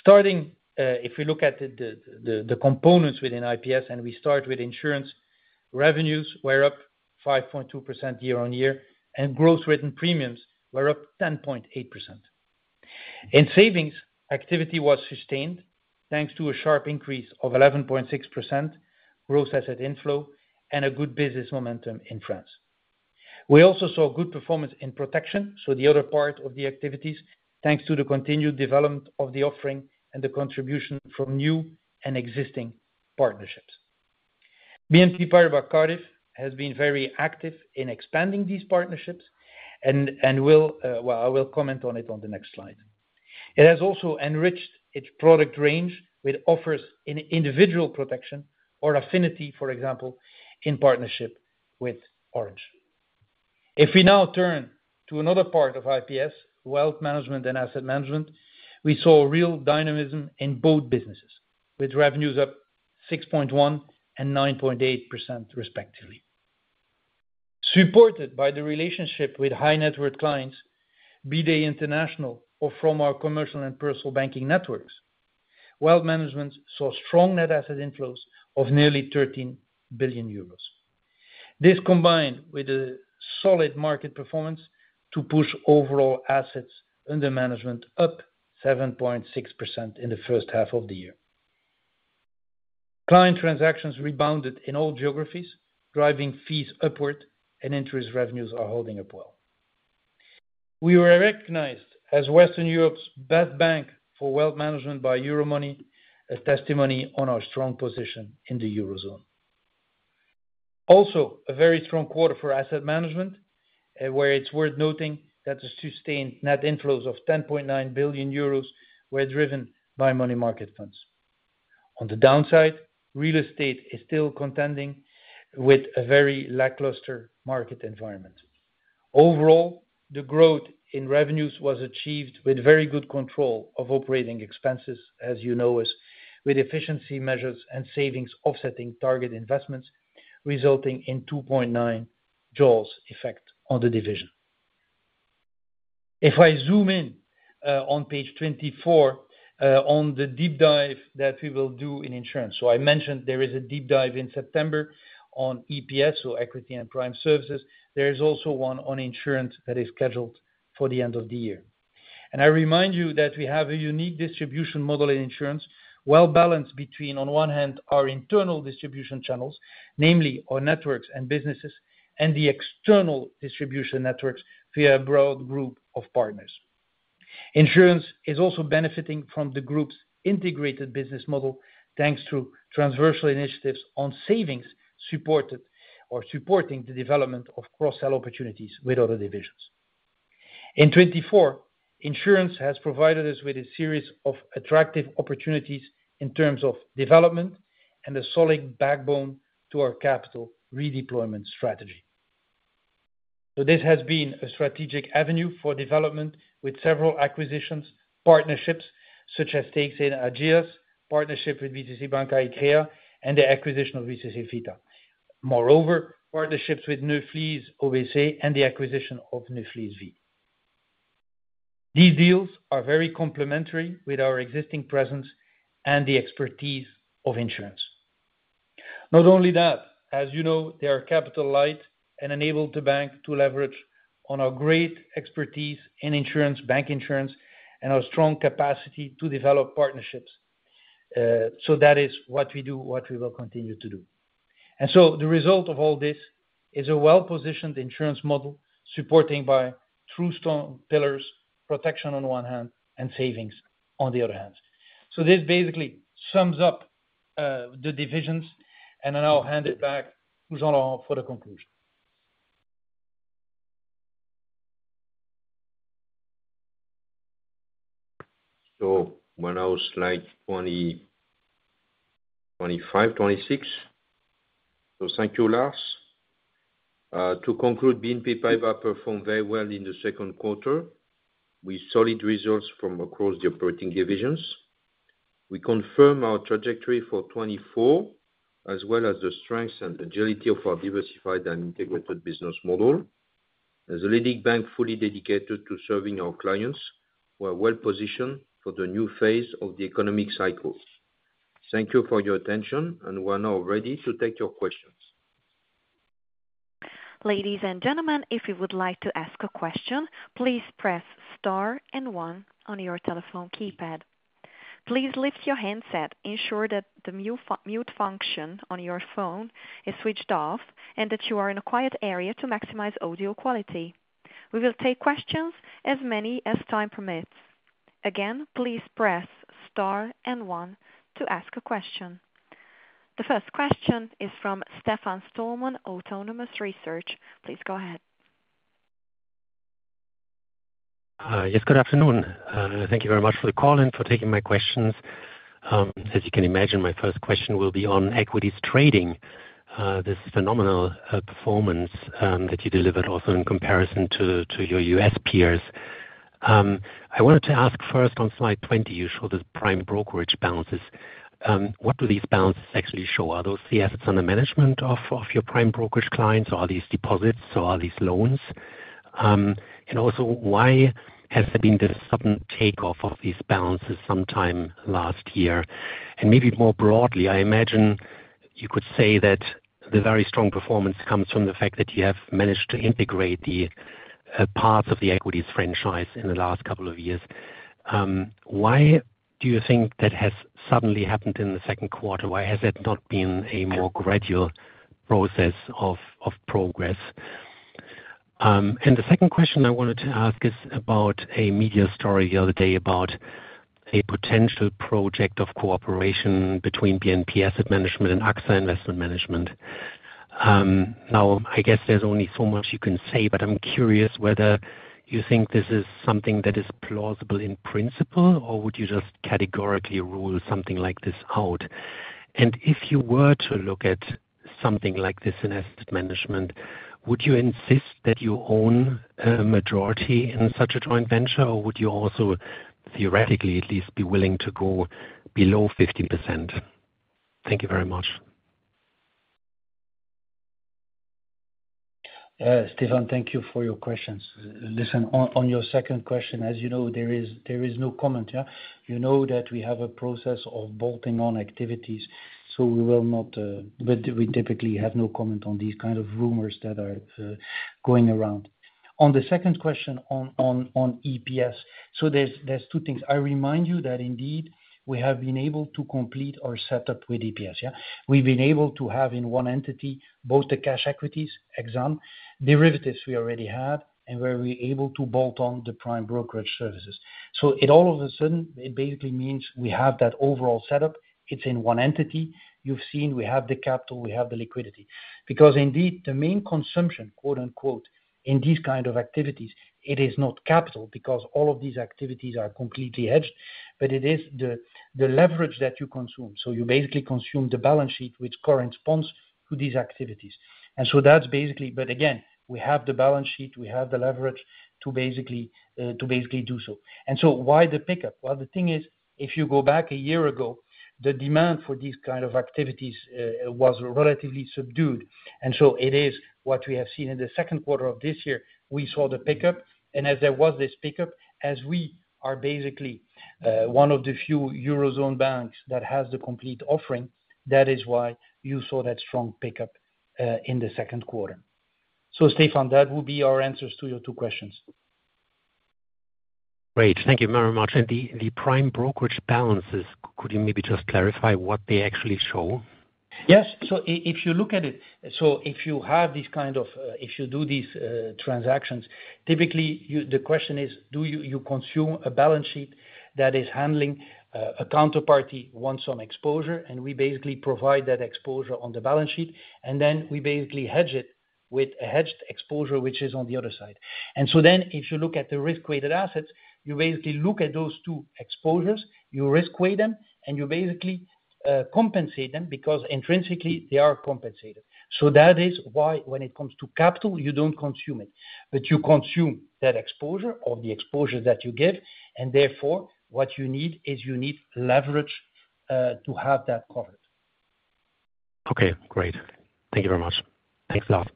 Starting, if we look at the components within IPS and we start with Insurance, revenues were up 5.2% year-on-year and gross written premiums were up 10.8%. In savings, activity was sustained thanks to a sharp increase of 11.6%, gross asset inflow, and a good business momentum in France. We also saw good performance in protection, so the other part of the activities, thanks to the continued development of the offering and the contribution from new and existing partnerships. BNP Paribas Cardif has been very active in expanding these partnerships and will, well, I will comment on it on the next slide. It has also enriched its product range with offers in individual protection or affinity, for example, in partnership with Orange. If we now turn to another part of IPS, Wealth Management and Asset Management, we saw real dynamism in both businesses with revenues up 6.1% and 9.8% respectively. Supported by the relationship with high-net-worth clients, be they international or from our Commercial and Personal Banking networks, Wealth Management saw strong net asset inflows of nearly 13 billion euros. This combined with a solid market performance to push overall assets under management up 7.6% in the first half of the year. Client transactions rebounded in all geographies, driving fees upward and interest revenues are holding up well. We were recognized as Western Europe's best bank for Wealth Management by Euromoney, a testimony on our strong position in the Eurozone. Also, a very strong quarter for Asset Management, where it's worth noting that the sustained net inflows of 10.9 billion euros were driven by money market funds. On the downside, Real Estate is still contending with a very lackluster market environment. Overall, the growth in revenues was achieved with very good control of operating expenses, as you know, with efficiency measures and savings offsetting target investments, resulting in 2.9 Jaws effect on the division. If I zoom in on page 24 on the deep dive that we will do in Insurance, so I mentioned there is a deep dive in September on EPS, so equity and prime services. There is also one on Insurance that is scheduled for the end of the year. I remind you that we have a unique distribution model in Insurance, well balanced between, on one hand, our internal distribution channels, namely our networks and businesses, and the external distribution networks via a broad group of partners. Insurance is also benefiting from the group's integrated business model, thanks to transversal initiatives on savings supported or supporting the development of cross-sell opportunities with other divisions. In 2024, Insurance has provided us with a series of attractive opportunities in terms of development and a solid backbone to our capital redeployment strategy. So this has been a strategic avenue for development with several acquisitions, partnerships such as stakes in Ageas, partnership with BCC Banca Iccrea, and the acquisition of BCC Vita. Moreover, partnerships with Neuflize OBC and the acquisition of Neuflize Vie. These deals are very complementary with our existing presence and the expertise of Insurance. Not only that, as you know, they are capital light and enable the bank to leverage on our great expertise in Insurance, bank Insurance, and our strong capacity to develop partnerships. So that is what we do, what we will continue to do. And so the result of all this is a well-positioned Insurance model supported by true stone pillars, protection on one hand, and savings on the other hand. So this basically sums up the divisions, and I'll hand it back to Jean-Laurent for the conclusion.
So when I was like 25, 26, so thank you Lars. To conclude, BNP Paribas performed very well in the second quarter with solid results from across the operating divisions. We confirmed our trajectory for 2024, as well as the strength and agility of our diversified and integrated business model. As a leading bank fully dedicated to serving our clients, we are well positioned for the new phase of the economic cycle. Thank you for your attention, and we are now ready to take your questions.
Ladies and gentlemen, if you would like to ask a question, please press star and one on your telephone keypad. Please lift your handset, ensure that the mute function on your phone is switched off, and that you are in a quiet area to maximize audio quality. We will take questions as many as time permits. Again, please press star and one to ask a question. The first question is from Stefan Stalmann, Autonomous Research. Please go ahead.
Yes, good afternoon. Thank you very much for the call and for taking my questions. As you can imagine, my first question will be on equities trading, this phenomenal performance that you delivered also in comparison to your U.S. peers. I wanted to ask first, on slide 20, you show the prime brokerage balances. What do these balances actually show? Are those the assets under management of your prime brokerage clients, or are these deposits, or are these loans? And also, why has there been this sudden takeoff of these balances sometime last year? Maybe more broadly, I imagine you could say that the very strong performance comes from the fact that you have managed to integrate the parts of the equities franchise in the last couple of years. Why do you think that has suddenly happened in the second quarter? Why has it not been a more gradual process of progress? And the second question I wanted to ask is about a media story the other day about a potential project of cooperation between BNP Paribas Asset Management and AXA Investment Managers. Now, I guess there's only so much you can say, but I'm curious whether you think this is something that is plausible in principle, or would you just categorically rule something like this out? And if you were to look at something like this in Asset Management, would you insist that you own a majority in such a joint venture, or would you also theoretically at least be willing to go below 50%? Thank you very much.
Stefan, thank you for your questions. Listen, on your second question, as you know, there is no comment. You know that we have a process of bolting on activities, so we will not, but we typically have no comment on these kinds of rumors that are going around. On the second question on EPS, so there's two things. I remind you that indeed we have been able to complete our setup with EPS. We've been able to have in one entity both the cash equities, Exane, derivatives we already had, and where we're able to bolt on the prime brokerage services. So, all of a sudden, it basically means we have that overall setup. It's in one entity. You've seen we have the capital, we have the liquidity. Because indeed, the main consumption, quote unquote, in these kinds of activities, it is not capital because all of these activities are completely hedged, but it is the leverage that you consume. So you basically consume the balance sheet which corresponds to these activities. And so that's basically, but again, we have the balance sheet, we have the leverage to basically do so. And so why the pickup? Well, the thing is, if you go back a year ago, the demand for these kinds of activities was relatively subdued. And so it is what we have seen in the second quarter of this year. We saw the pickup, and as there was this pickup, as we are basically one of the few Eurozone banks that has the complete offering, that is why you saw that strong pickup in the second quarter. So Stefan, that would be our answers to your two questions.
Great. Thank you very much. And the prime brokerage balances, could you maybe just clarify what they actually show?
Yes. So if you look at it, so if you have these kinds of, if you do these transactions, typically the question is, do you consume a balance sheet that is handling a counterparty wants some exposure, and we basically provide that exposure on the balance sheet, and then we basically hedge it with a hedged exposure which is on the other side. And so then if you look at the risk-weighted assets, you basically look at those two exposures, you risk-weight them, and you basically compensate them because intrinsically they are compensated. So that is why when it comes to capital, you don't consume it, but you consume that exposure or the exposure that you give, and therefore what you need is you need leverage to have that covered.
Okay. Great. Thank you very much. Thanks a lot.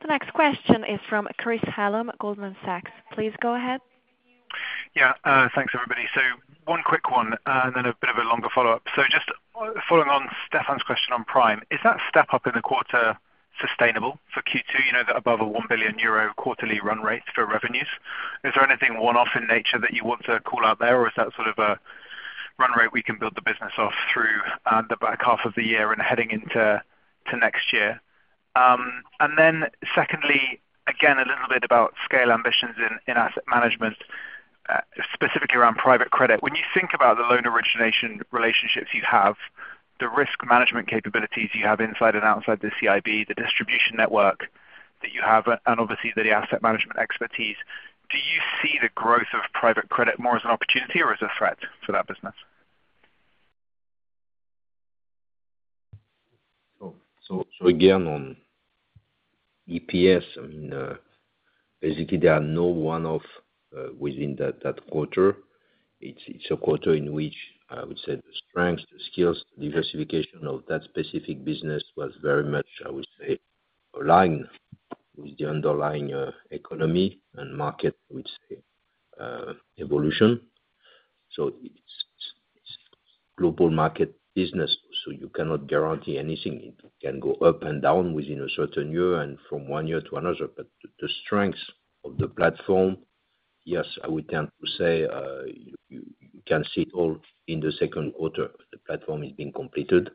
The next question is from Chris Hallam, Goldman Sachs. Please go ahead.
Yeah. Thanks, everybody. So one quick one and then a bit of a longer follow-up. So just following on Stefan's question on prime, is that step up in the quarter sustainable for Q2? You know that above a 1 billion euro quarterly run rate for revenues. Is there anything one-off in nature that you want to call out there, or is that sort of a run rate we can build the business off through the back half of the year and heading into next year? And then secondly, again, a little bit about scale ambitions in Asset Management, specifically around private credit. When you think about the loan origination relationships you have, the risk management capabilities you have inside and outside the CIB, the distribution network that you have, and obviously the Asset Management expertise, do you see the growth of private credit more as an opportunity or as a threat for that business?
So again, on EPS, I mean, basically there are no one-offs within that quarter. It's a quarter in which I would say the strength, the skills, the diversification of that specific business was very much, I would say, aligned with the underlying economy and market, I would say, evolution. So it's global market business, so you cannot guarantee anything. It can go up and down within a certain year and from one year to another. But the strength of the platform, yes, I would tend to say you can see it all in the second quarter, the platform is being completed.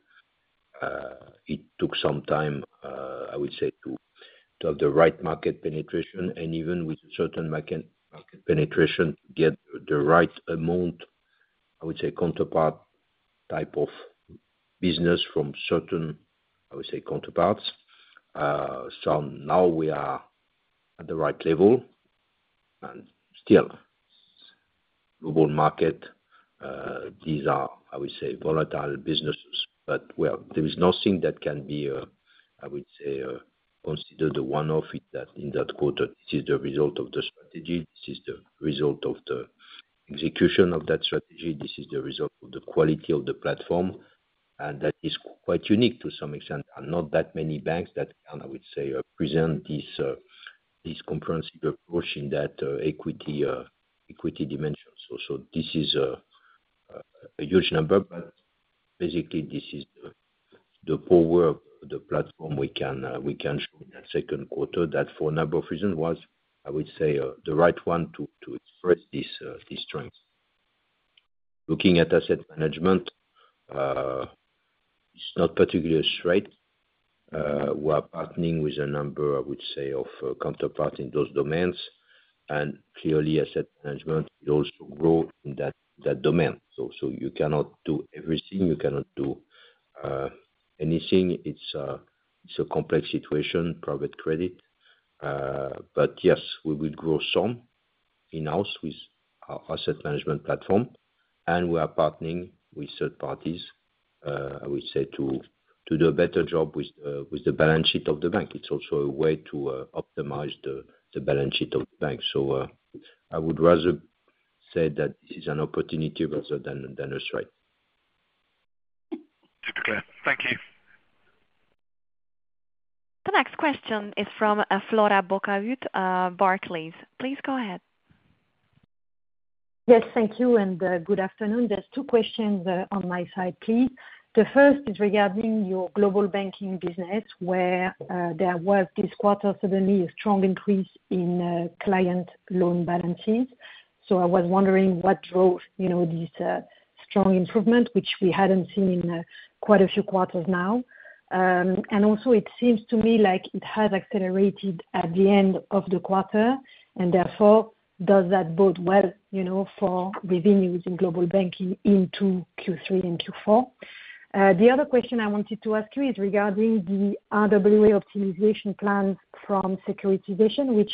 It took some time, I would say, to have the right market penetration, and even with a certain market penetration to get the right amount, I would say, counterpart type of business from certain, I would say, counterparts. So now we are at the right level, and still Global Markets, these are, I would say, volatile businesses, but there is nothing that can be, I would say, considered a one-off in that quarter. This is the result of the strategy. This is the result of the execution of that strategy. This is the result of the quality of the platform, and that is quite unique to some extent. There are not that many banks that can, I would say, present this comprehensive approach in that equity dimension. So this is a huge number, but basically this is the power of the platform we can show in that second quarter that for a number of reasons was, I would say, the right one to express this strength. Looking at Asset Management, it's not particularly threat. We are partnering with a number, I would say, of counterparts in those domains, and clearly Asset Management will also grow in that domain. So you cannot do everything. You cannot do anything. It's a complex situation, private credit. But yes, we will grow some in-house with our Asset Management platform, and we are partnering with third parties, I would say, to do a better job with the balance sheet of the bank. It's also a way to optimize the balance sheet of the bank. So I would rather say that this is an opportunity rather than a threat.
Thank you.
The next question is from Flora Bocahut, Barclays. Please go ahead.
Yes, thank you, and good afternoon. There's two questions on my side, please. The first is regarding your Global Banking business where there was this quarter suddenly a strong increase in client loan balances. So I was wondering what drove this strong improvement, which we hadn't seen in quite a few quarters now. And also it seems to me like it has accelerated at the end of the quarter, and therefore does that bode well for revenues in Global Banking into Q3 and Q4? The other question I wanted to ask you is regarding the RWA optimization plans from securitization, which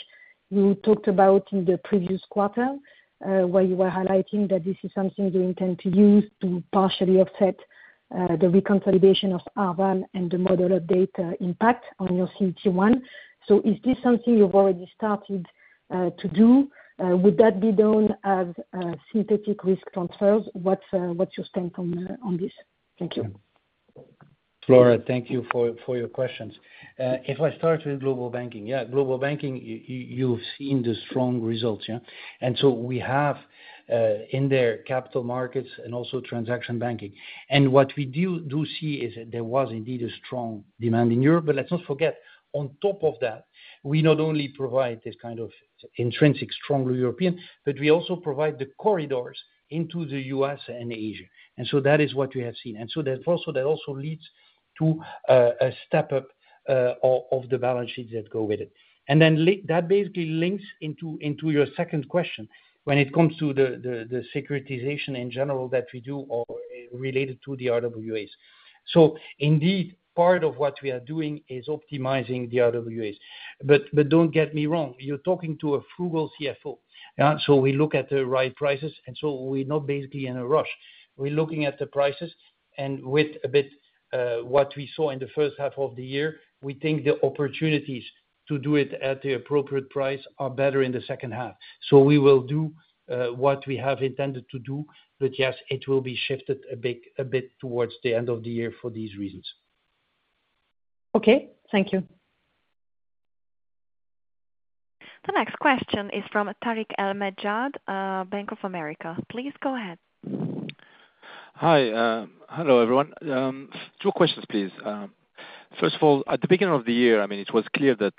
you talked about in the previous quarter where you were highlighting that this is something you intend to use to partially offset the reconciliation of Arval and the model update impact on your CET1. So is this something you've already started to do? Would that be done as synthetic risk transfers? What's your stance on this? Thank you.
Flora, thank you for your questions. If I start with Global Banking, yeah, Global Banking, you've seen the strong results. We have in there capital markets and also transaction banking. What we do see is that there was indeed a strong demand in Europe, but let's not forget, on top of that, we not only provide this kind of intrinsic strongly European, but we also provide the corridors into the U.S. and Asia. That is what we have seen. That also leads to a step up of the balance sheets that go with it. Then that basically links into your second question when it comes to the securitization in general that we do related to the RWAs. Indeed, part of what we are doing is optimizing the RWAs. But don't get me wrong, you're talking to a frugal CFO. We look at the right prices, and so we're not basically in a rush. We're looking at the prices, and with a bit what we saw in the first half of the year, we think the opportunities to do it at the appropriate price are better in the second half. So we will do what we have intended to do, but yes, it will be shifted a bit towards the end of the year for these reasons.
Okay. Thank you.
The next question is from Tarik El Mejjad, Bank of America. Please go ahead.
Hi. Hello everyone. Two questions, please. First of all, at the beginning of the year, I mean, it was clear that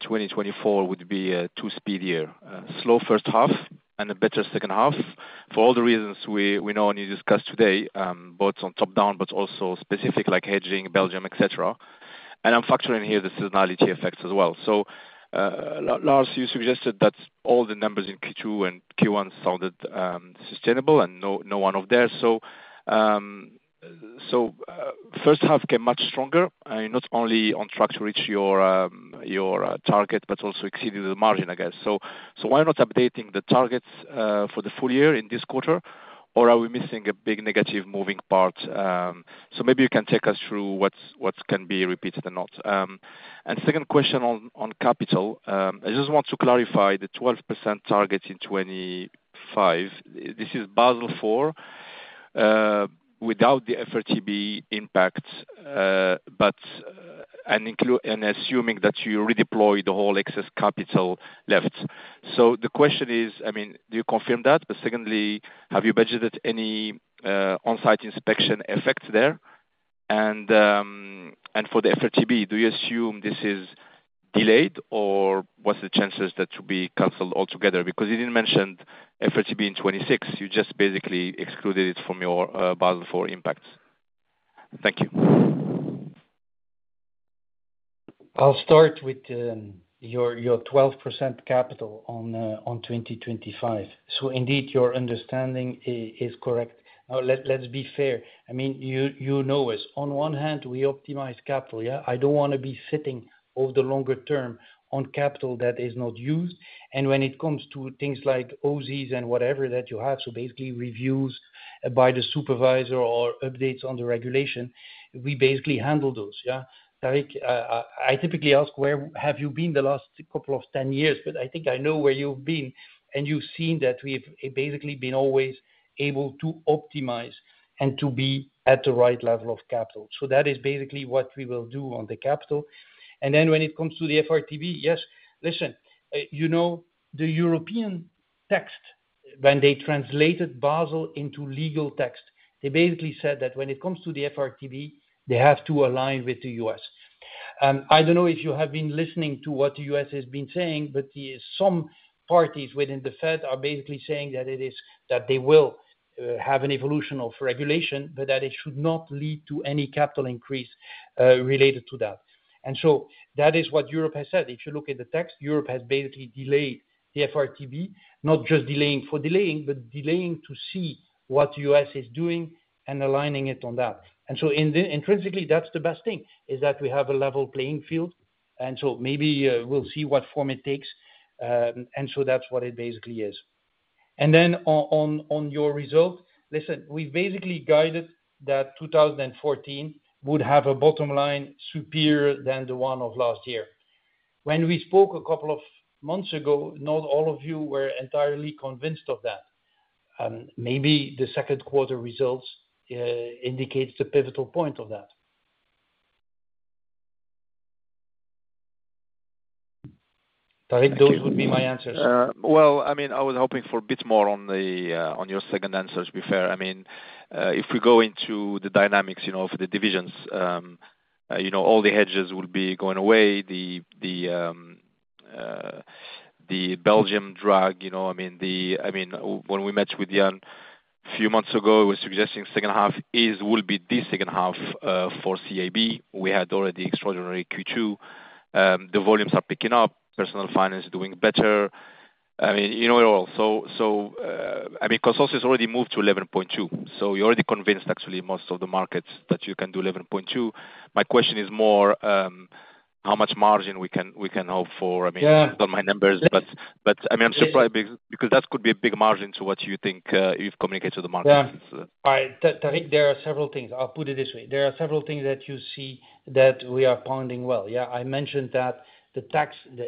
2024 would be a too speedy year. Slow first half and a better second half for all the reasons we know and you discussed today, both on top down, but also specific like hedging, Belgium, etc. And I'm factoring here the seasonality effects as well. So Lars, you suggested that all the numbers in Q2 and Q1 sounded sustainable and no one-off there. So first half came much stronger, not only on track to reach your target, but also exceeded the margin, I guess. So why not updating the targets for the full year in this quarter, or are we missing a big negative moving part? So maybe you can take us through what can be repeated or not. And second question on capital, I just want to clarify the 12% target in 2025. This is Basel IV without the FRTB impact, but assuming that you redeploy the whole excess capital left. So the question is, I mean, do you confirm that? But secondly, have you budgeted any on-site inspection effects there? And for the FRTB, do you assume this is delayed, or what's the chances that it will be canceled altogether? Because you didn't mention FRTB in 2026. You just basically excluded it from your Basel IV impacts. Thank you.
I'll start with your 12% capital on 2025. So indeed, your understanding is correct. Now, let's be fair. I mean, you know us. On one hand, we optimize capital. Yeah, I don't want to be sitting over the longer term on capital that is not used. And when it comes to things like OSIs and whatever that you have, so basically reviews by the supervisor or updates on the regulation, we basically handle those. Yeah. Tarik, I typically ask, where have you been the last couple of 10 years? But I think I know where you've been, and you've seen that we've basically been always able to optimize and to be at the right level of capital. So that is basically what we will do on the capital. And then when it comes to the FRTB, yes, listen, you know the European text when they translated Basel into legal text, they basically said that when it comes to the FRTB, they have to align with the U.S. I don't know if you have been listening to what the U.S. has been saying, but some parties within the Fed are basically saying that they will have an evolution of regulation, but that it should not lead to any capital increase related to that. And so that is what Europe has said. If you look at the text, Europe has basically delayed the FRTB, not just delaying for delaying, but delaying to see what the U.S. is doing and aligning it on that. And so intrinsically, that's the best thing, is that we have a level playing field. And so maybe we'll see what form it takes. And so that's what it basically is. And then on your result, listen, we've basically guided that 2014 would have a bottom line superior than the one of last year. When we spoke a couple of months ago, not all of you were entirely convinced of that. Maybe the second quarter results indicate the pivotal point of that. Tarik, those would be my answers.
Well, I mean, I was hoping for a bit more on your second answer, to be fair. I mean, if we go into the dynamics of the divisions, all the hedges will be going away. The Belgian drag, I mean, when we met with Yann a few months ago, he was suggesting second half will be the second half for CIB. We had already extraordinary Q2. The volumes are picking up. Personal Finance is doing better. I mean, you know it all. So I mean, consensus already moved to 11.2. So you're already convinced, actually, most of the markets that you can do 11.2. My question is more how much margin we can hope for. I mean, I've got my numbers, but I mean, I'm surprised because that could be a big margin to what you think you've communicated to the markets.
Yeah. Tarik, there are several things. I'll put it this way. There are several things that you see that we are pounding well. Yeah, I mentioned that the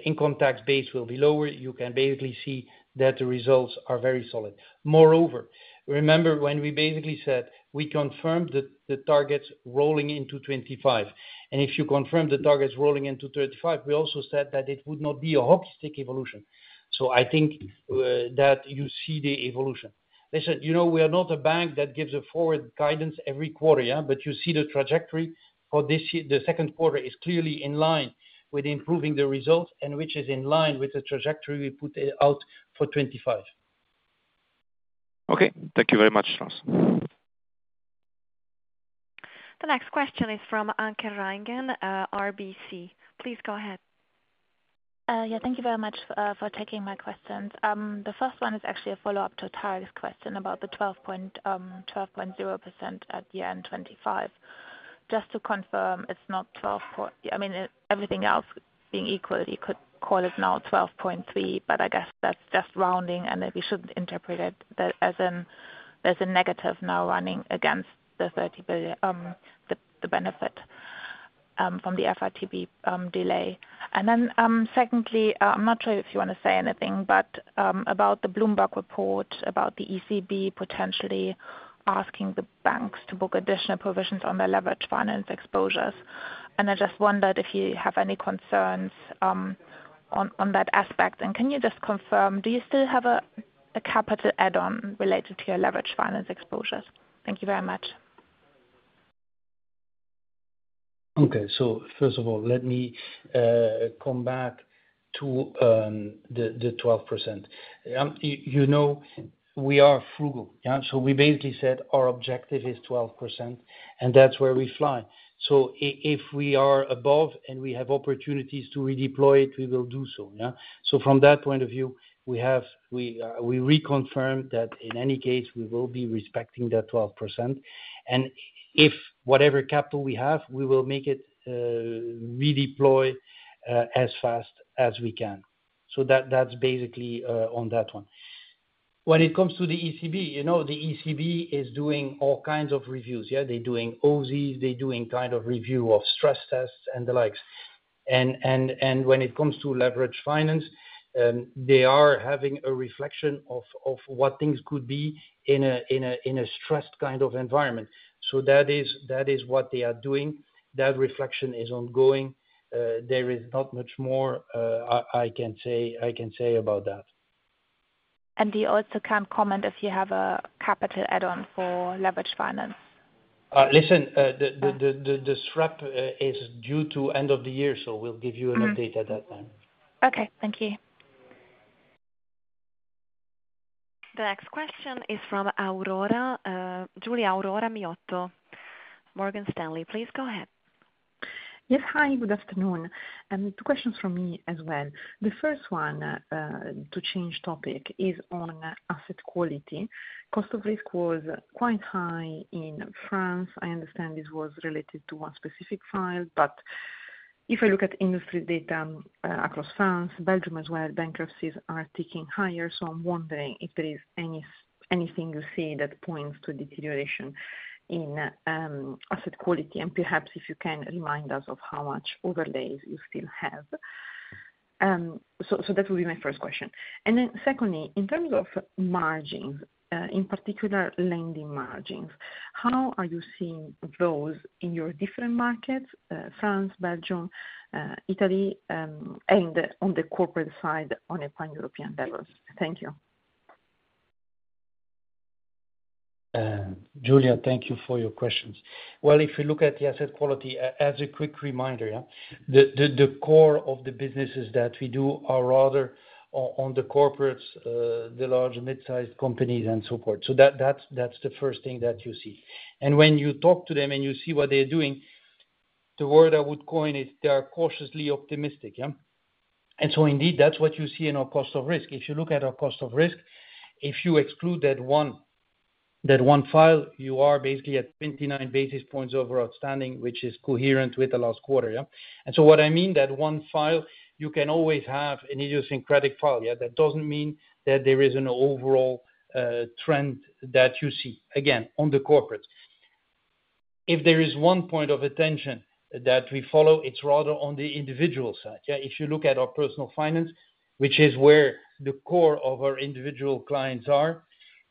income tax base will be lower. You can basically see that the results are very solid. Moreover, remember when we basically said we confirmed the targets rolling into 2025. And if you confirm the targets rolling into 2025, we also said that it would not be a hockey stick evolution. So I think that you see the evolution. Listen, we are not a bank that gives a forward guidance every quarter, yeah, but you see the trajectory for the second quarter is clearly in line with improving the results and which is in line with the trajectory we put out for 2025.
Okay. Thank you very much, Lars.
The next question is from Anke Reingen, RBC. Please go ahead.
Yeah, thank you very much for taking my questions. The first one is actually a follow-up to Tarik's question about the 12.0% at year-end 2025. Just to confirm, it's not 12%. I mean, everything else being equal, you could call it now 12.3%, but I guess that's just rounding, and we shouldn't interpret it as a negative now running against the benefit from the FRTB delay. And then secondly, I'm not sure if you want to say anything, but about the Bloomberg report about the ECB potentially asking the banks to book additional provisions on their leveraged finance exposures. And I just wondered if you have any concerns on that aspect? And can you just confirm, do you still have a capital add-on related to your leveraged finance exposures? Thank you very much.
Okay. So first of all, let me come back to the 12%. You know we are frugal, yeah? So we basically said our objective is 12%, and that's where we fly. So if we are above and we have opportunities to redeploy it, we will do so, yeah? So from that point of view, we reconfirm that in any case, we will be respecting that 12%. And if whatever capital we have, we will make it redeploy as fast as we can. So that's basically on that one. When it comes to the ECB, the ECB is doing all kinds of reviews, yeah? They're doing OSIs, they're doing kind of review of stress tests and the likes. And when it comes to leveraged finance, they are having a reflection of what things could be in a stressed kind of environment. So that is what they are doing. That reflection is ongoing. There is not much more I can say about that.
And do you also come comment if you have a capital add-on for leveraged finance?
Listen, the swap is due to end of the year, so we'll give you an update at that time.
Okay. Thank you.
The next question is from Giulia Aurora Miotto. Morgan Stanley, please go ahead.
Yes, hi, good afternoon. Two questions from me as well. The first one, to change topic, is on asset quality. Cost of risk was quite high in France. I understand this was related to one specific file, but if I look at industry data across France, Belgium as well, bankruptcies are ticking higher. So I'm wondering if there is anything you see that points to a deterioration in asset quality and perhaps if you can remind us of how much overlays you still have. So that would be my first question. And then secondly, in terms of margins, in particular lending margins, how are you seeing those in your different markets, France, Belgium, Italy, and on the corporate side on a pan-European level? Thank you.
Giulia, thank you for your questions. Well, if you look at the asset quality, as a quick reminder, yeah, the core of the businesses that we do are rather on the corporates, the large mid-sized companies and so forth. So that's the first thing that you see. When you talk to them and you see what they're doing, the word I would coin is they are cautiously optimistic, yeah? Indeed, that's what you see in our cost of risk. If you look at our cost of risk, if you exclude that one file, you are basically at 29 basis points over outstanding, which is coherent with the last quarter, yeah? What I mean, that one file, you can always have an idiosyncratic file, yeah? That doesn't mean that there is an overall trend that you see. Again, on the corporates. If there is one point of attention that we follow, it's rather on the individual side, yeah? If you look at our personal finance, which is where the core of our individual clients are.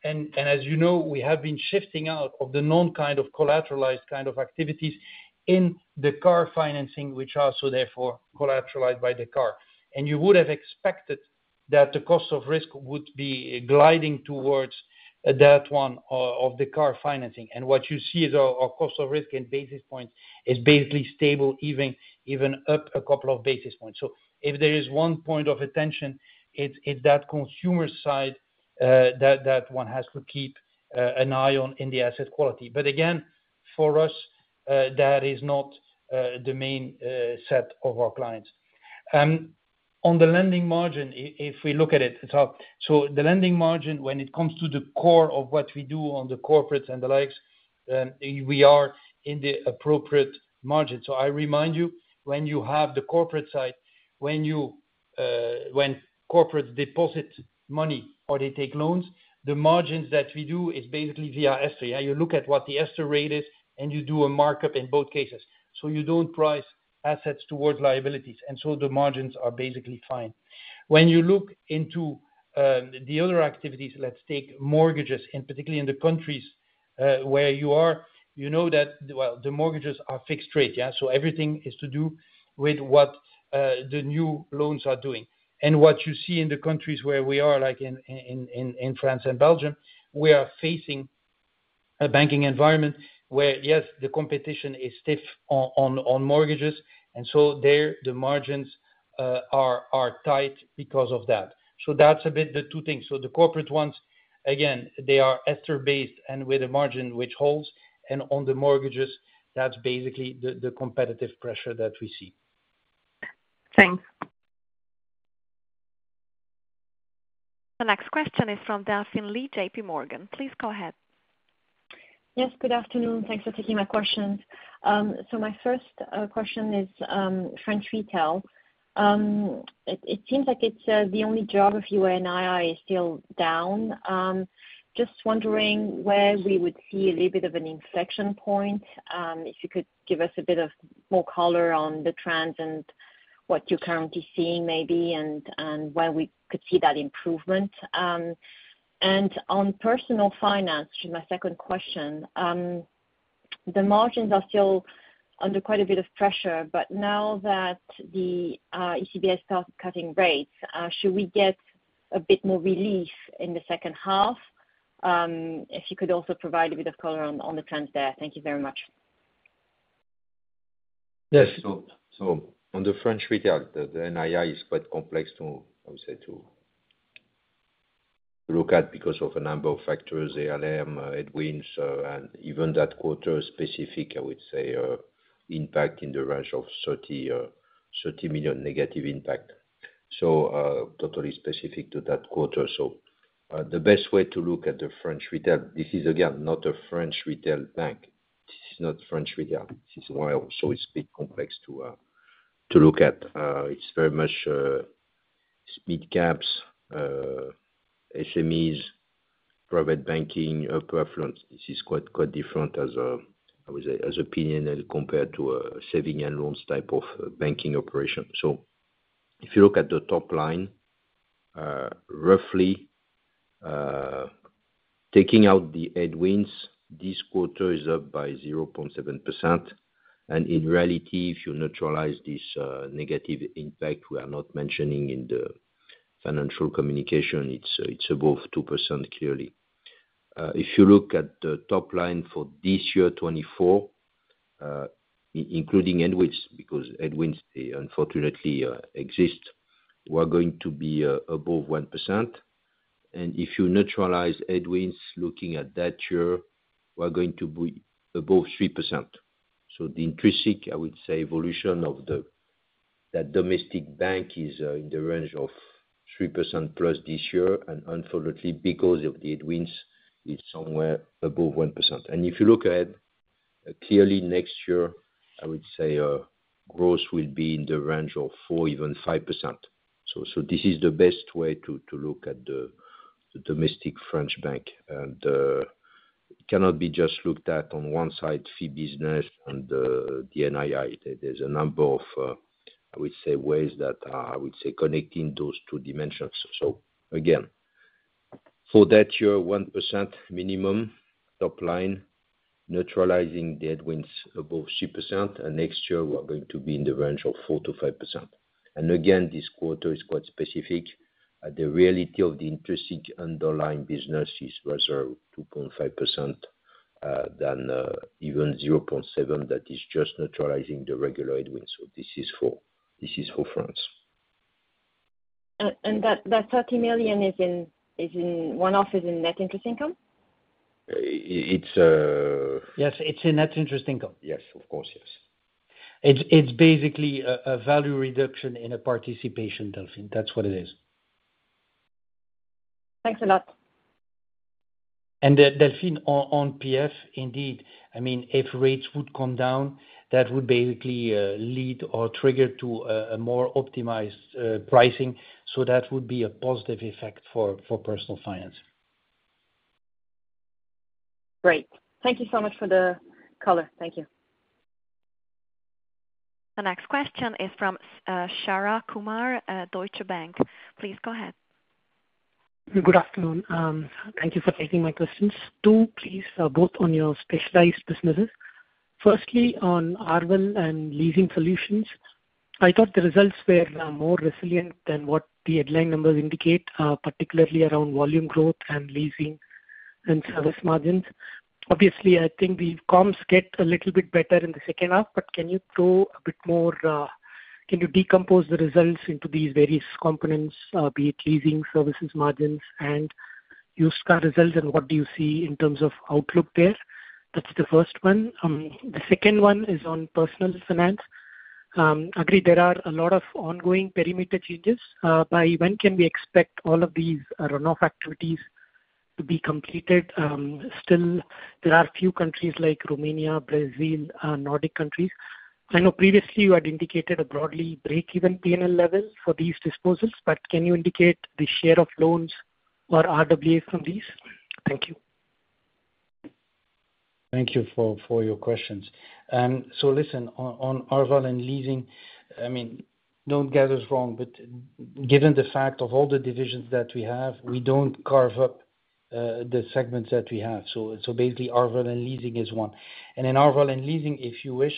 As you know, we have been shifting out of the non-kind of collateralized kind of activities in the car financing, which are also therefore collateralized by the car. You would have expected that the cost of risk would be gliding towards that one of the car financing. What you see is our cost of risk in basis points is basically stable, even up a couple of basis points. So if there is one point of attention, it's that consumer side that one has to keep an eye on in the asset quality. But again, for us, that is not the main set of our clients. On the lending margin, if we look at it, so the lending margin, when it comes to the core of what we do on the corporates and the likes, we are in the appropriate margin. So I remind you, when you have the corporate side, when corporates deposit money or they take loans, the margins that we do is basically via ESTR. You look at what the ESTR rate is, and you do a markup in both cases. So you don't price assets towards liabilities. And so the margins are basically fine. When you look into the other activities, let's take mortgages, and particularly in the countries where you are, you know that, well, the mortgages are fixed rate, yeah? So everything is to do with what the new loans are doing. And what you see in the countries where we are, like in France and Belgium, we are facing a banking environment where, yes, the competition is stiff on mortgages. And so there, the margins are tight because of that. So that's a bit the two things. So the corporate ones, again, they are ESTR-based and with a margin which holds. And on the mortgages, that's basically the competitive pressure that we see.
Thanks.
The next question is from Delphine Lee, JP Morgan. Please go ahead.
Yes, good afternoon. Thanks for taking my questions. So my first question is French retail. It seems like it's the only geography where NII is still down. Just wondering where we would see a little bit of an inflection point, if you could give us a bit more color on the trends and what you're currently seeing maybe, and where we could see that improvement. And on personal finance, which is my second question, the margins are still under quite a bit of pressure, but now that the ECB has started cutting rates, should we get a bit more relief in the second half? If you could also provide a bit of color on the trends there. Thank you very much.
Yes. So on the French retail, the NII is quite complex to, I would say, to look at because of a number of factors: ALM, headwind, and even that quarter-specific, I would say, impact in the range of 30 million negative impact. So totally specific to that quarter. So the best way to look at the French retail, this is again, not a French retail bank. This is not French retail. This is why also it's a bit complex to look at. It's very much mid-caps, SMEs, private banking, upper affluence. This is quite different as a PNL compared to a savings and loans type of banking operation. So if you look at the top line, roughly, taking out the headwind, this quarter is up by 0.7%. And in reality, if you neutralize this negative impact, we are not mentioning in the financial communication, it's above 2% clearly. If you look at the top line for this year 2024, including headwind, because headwind, unfortunately, exists, we're going to be above 1%. And if you neutralize headwind, looking at that year, we're going to be above 3%. So the intrinsic, I would say, evolution of that domestic bank is in the range of 3%+ this year. And unfortunately, because of the headwind, it's somewhere above 1%. And if you look ahead, clearly next year, I would say gross will be in the range of 4%-5%. So this is the best way to look at the domestic French bank. And it cannot be just looked at on one side, fee business and the NII. There's a number of, I would say, ways that are, I would say, connecting those two dimensions. So again, for that year, 1% minimum top line, neutralizing, the headwinds above 3%. And next year, we're going to be in the range of 4%-5%. And again, this quarter is quite specific. The reality of the intrinsic underlying business is rather 2.5% than even 0.7% that is just neutralizing the regular headwinds. So this is for France.
And that 30 million is one-off, is in net interest income?
Yes, it's in net interest income.
Yes, of course, yes.
It's basically a value reduction in a participation, Delphine. That's what it is.
Thanks a lot.
And Delphine on PF, indeed, I mean, if rates would come down, that would basically lead or trigger to a more optimized pricing. So that would be a positive effect for personal finance.
Great. Thank you so much for the color. Thank you.
The next question is from Sharath Kumar, Deutsche Bank. Please go ahead.
Good afternoon. Thank you for taking my questions. Two, please, both on your specialized businesses. Firstly, on Arval and Leasing Solutions, I thought the results were more resilient than what the headline numbers indicate, particularly around volume growth and leasing and service margins. Obviously, I think the comms get a little bit better in the second half, but can you throw a bit more? Can you decompose the results into these various components, be it leasing, services, margins, and used car results, and what do you see in terms of outlook there? That's the first one. The second one is on personal finance. Agreed, there are a lot of ongoing perimeter changes. By when can we expect all of these runoff activities to be completed? Still, there are a few countries like Romania, Brazil, Nordic countries. I know previously you had indicated a broadly break-even PNL level for these disposals, but can you indicate the share of loans or RWAs from these? Thank you.
Thank you for your questions. So listen, on Arval and leasing, I mean, don't get us wrong, but given the fact of all the divisions that we have, we don't carve up the segments that we have. So basically, Arval and leasing is one. And in Arval and leasing, if you wish,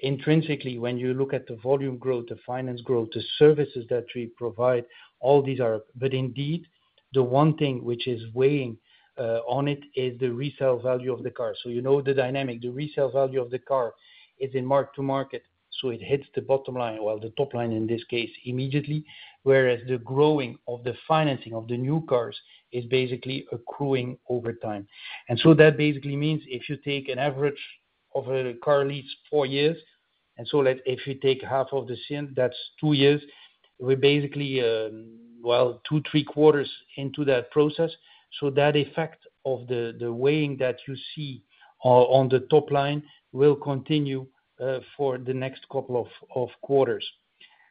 intrinsically, when you look at the volume growth, the finance growth, the services that we provide, all these are. But indeed, the one thing which is weighing on it is the resale value of the car. So you know the dynamic. The resale value of the car is in mark-to-market. So it hits the bottom line, well, the top line in this case, immediately, whereas the growing of the financing of the new cars is basically accruing over time. And so that basically means if you take an average of a car lease four years, and so if you take half of the term, that's two years, we're basically, well, two, three quarters into that process. So that effect of the waning that you see on the top line will continue for the next couple of quarters.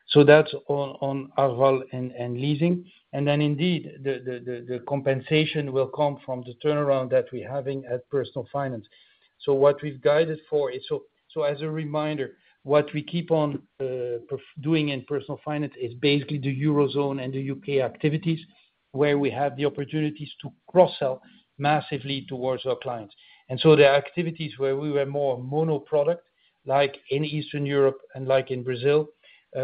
So that's on Arval and leasing. And then indeed, the compensation will come from the turnaround that we're having at personal finance. So what we've guided for is, so as a reminder, what we keep on doing in personal finance is basically the Eurozone and the UK activities where we have the opportunities to cross-sell massively towards our clients. And so the activities where we were more monoproduct, like in Eastern Europe and like in Brazil,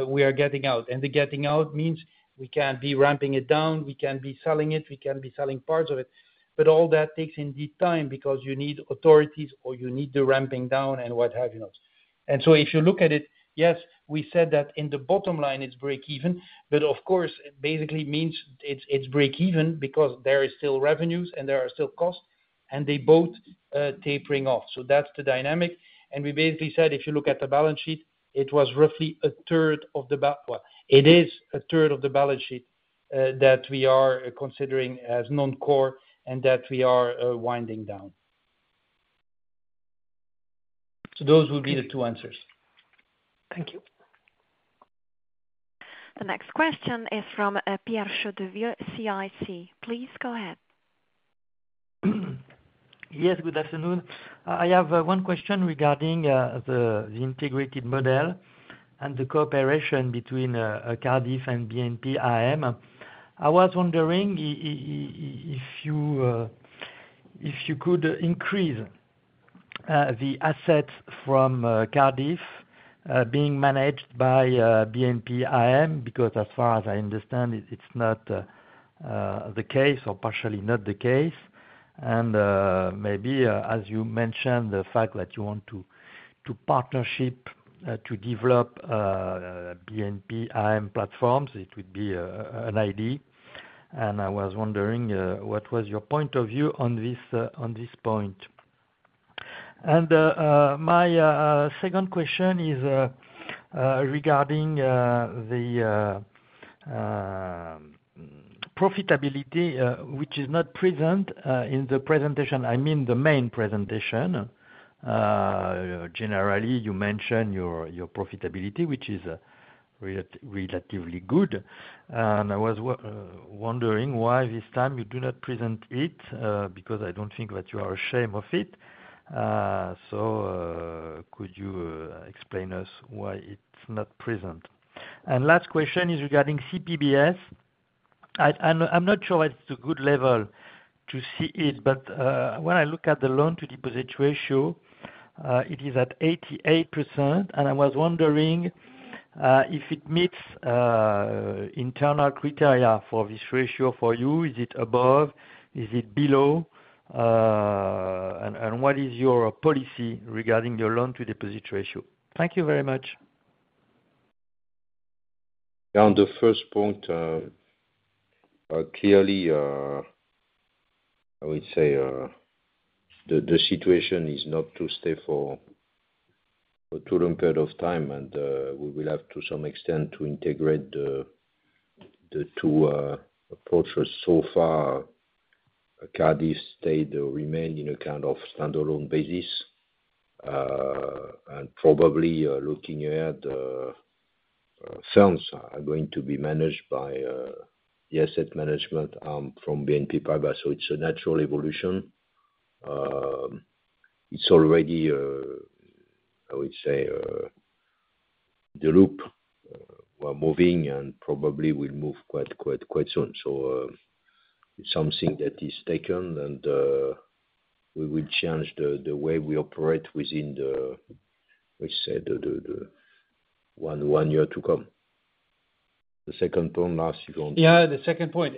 we are getting out. And the getting out means we can be ramping it down, we can be selling it, we can be selling parts of it. But all that takes indeed time because you need authorities or you need the ramping down and what have you. And so if you look at it, yes, we said that in the bottom line, it's break-even, but of course, it basically means it's break-even because there are still revenues and there are still costs, and they're both tapering off. So that's the dynamic. And we basically said if you look at the balance sheet, it was roughly a third of the, well, it is a third of the balance sheet that we are considering as non-core and that we are winding down. So those would be the two answers.
Thank you.
The next question is from Pierre Chédeville, CIC. Please go ahead.
Yes, good afternoon. I have one question regarding the integrated model and the cooperation between Cardif and BNP IM. I was wondering if you could increase the assets from Cardif being managed by BNP IM because as far as I understand, it's not the case or partially not the case. And maybe, as you mentioned, the fact that you want to partnership to develop BNP IM platforms, it would be an idea. And I was wondering what was your point of view on this point. And my second question is regarding the profitability, which is not present in the presentation, I mean the main presentation. Generally, you mentioned your profitability, which is relatively good. And I was wondering why this time you do not present it because I don't think that you are ashamed of it. So could you explain to us why it's not present? And the last question is regarding CPBS. I'm not sure whether it's a good level to see it, but when I look at the loan-to-deposit ratio, it is at 88%. And I was wondering if it meets internal criteria for this ratio for you. Is it above? Is it below? And what is your policy regarding your loan-to-deposit ratio? Thank you very much.
Yeah, on the first point, clearly, I would say the situation is not too stable for a long period of time, and we will have to some extent integrate the two approaches. So far, Cardif stayed or remained in a kind of standalone basis. Probably looking ahead, firms are going to be managed by the Asset Management arm from BNP Paribas. So it's a natural evolution. It's already, I would say, the loop we're moving and probably will move quite soon. So it's something that is taken, and we will change the way we operate within the, I would say, one year to come. The second point, last, if you want to.
Yeah, the second point.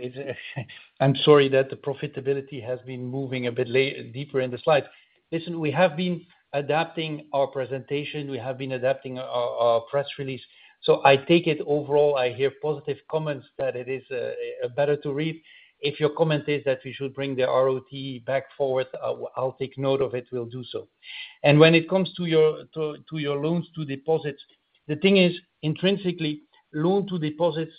I'm sorry that the profitability has been moving a bit deeper in the slides. Listen, we have been adapting our presentation. We have been adapting our press release. So I take it overall, I hear positive comments that it is better to read. If your comment is that we should bring the ROT back forward, I'll take note of it. We'll do so. When it comes to your loans-to-deposits, the thing is, intrinsically, loan-to-deposits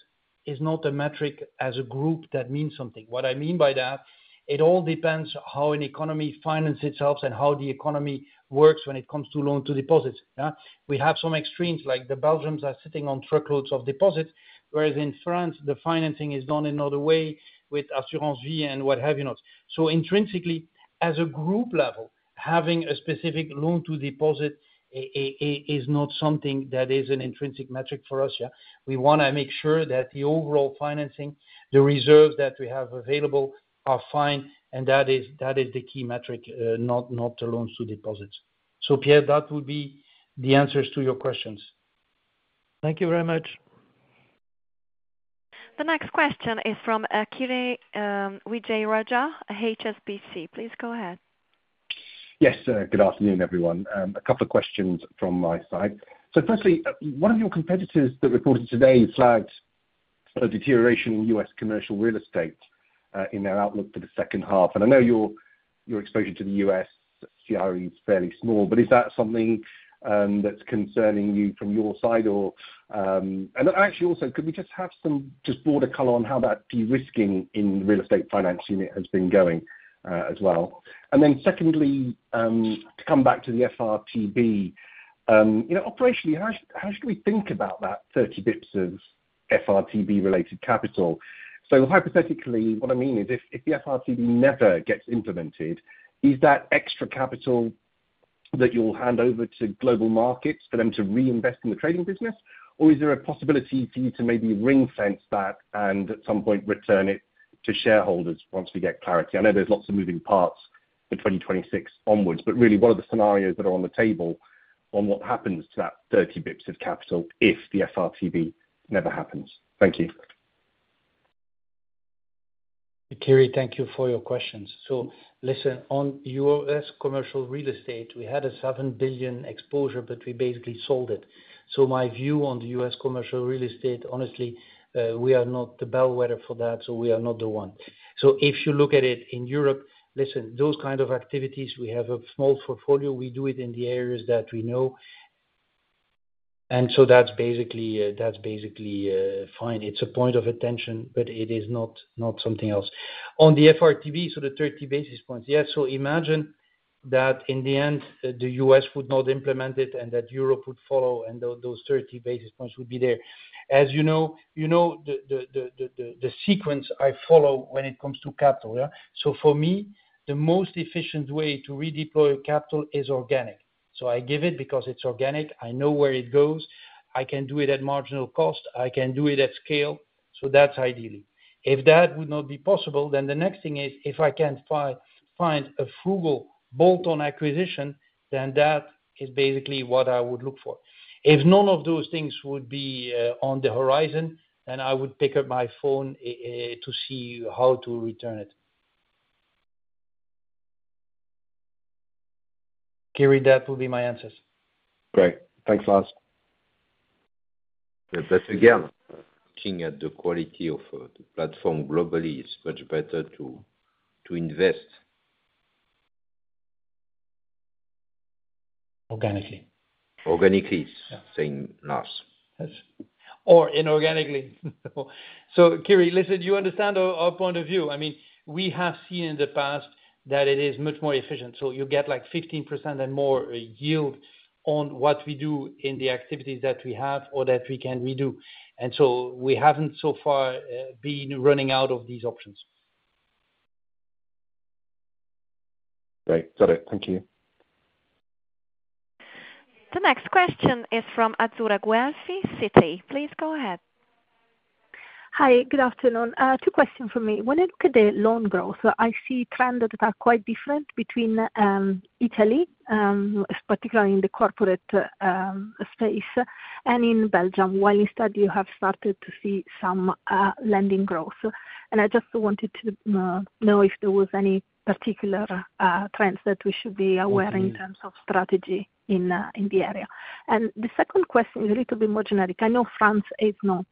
is not a metric as a group that means something. What I mean by that, it all depends on how an economy finances itself and how the economy works when it comes to loan-to-deposits. We have some extremes like the Belgians are sitting on truckloads of deposits, whereas in France, the financing is done in another way with Assurance Vie and what have you. So intrinsically, as a group level, having a specific loan-to-deposit is not something that is an intrinsic metric for us. We want to make sure that the overall financing, the reserves that we have available are fine, and that is the key metric, not the loans-to-deposits. So Pierre, that would be the answers to your questions.
Thank you very much. The next question is from Kiri Vijayarajah, HSBC. Please go ahead.
Yes, good afternoon, everyone. A couple of questions from my side. So firstly, one of your competitors that reported today flagged a deterioration in U.S. commercial real estate in their outlook for the second half. And I know your exposure to the U.S. CRE is fairly small, but is that something that's concerning you from your side? And actually, also, could we just have some broader color on how that derisking in the real estate finance unit has been going as well? And then secondly, to come back to the FRTB, operationally, how should we think about that 30 basis points of FRTB-related capital? So hypothetically, what I mean is if the FRTB never gets implemented, is that extra capital that you'll hand over to Global Markets for them to reinvest in the trading business, or is there a possibility for you to maybe ring-fence that and at some point return it to shareholders once we get clarity? I know there's lots of moving parts for 2026 onwards, but really, what are the scenarios that are on the table on what happens to that 30 basis points of capital if the FRTB never happens? Thank you.
Kiri, thank you for your questions. So listen, on U.S. commercial real estate, we had a 7 billion exposure, but we basically sold it. So my view on the U.S. commercial real estate, honestly, we are not the bellwether for that, so we are not the one. So if you look at it in Europe, listen, those kinds of activities, we have a small portfolio. We do it in the areas that we know. And so that's basically fine. It's a point of attention, but it is not something else. On the FRTB, so the 30 basis points, yes. So imagine that in the end, the US would not implement it and that Europe would follow, and those 30 basis points would be there. As you know, the sequence I follow when it comes to capital, yeah? So for me, the most efficient way to redeploy capital is organic. So I give it because it's organic. I know where it goes. I can do it at marginal cost. I can do it at scale. So that's ideally. If that would not be possible, then the next thing is if I can find a frugal bolt-on acquisition, then that is basically what I would look for. If none of those things would be on the horizon, then I would pick up my phone to see how to return it. Kiri, that would be my answers.
Great. Thanks, Lars.
That's again. Looking at the quality of the platform globally, it's much better to invest organically. Organically, saying Lars.
Or inorganically. So Kiri, listen, you understand our point of view. I mean, we have seen in the past that it is much more efficient. So you get like 15% and more yield on what we do in the activities that we have or that we can redo. And so we haven't so far been running out of these options.
Great. Got it. Thank you.
The next question is from Azzurra Guelfi, Citi. Please go ahead.
Hi, good afternoon. Two questions for me. When I look at the loan growth, I see trends that are quite different between Italy, particularly in the corporate space, and in Belgium, while instead you have started to see some lending growth. And I just wanted to know if there were any particular trends that we should be aware in terms of strategy in the area. And the second question is a little bit more generic. I know France is not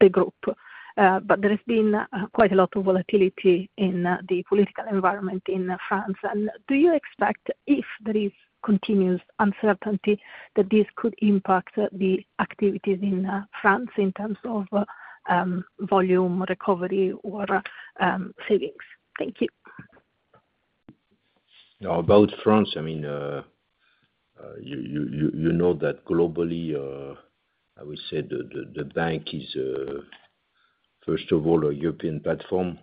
the group, but there has been quite a lot of volatility in the political environment in France. And do you expect, if there is continuous uncertainty, that this could impact the activities in France in terms of volume recovery or savings? Thank you.
About France, I mean, you know that globally, I would say the bank is, first of all, a European platform.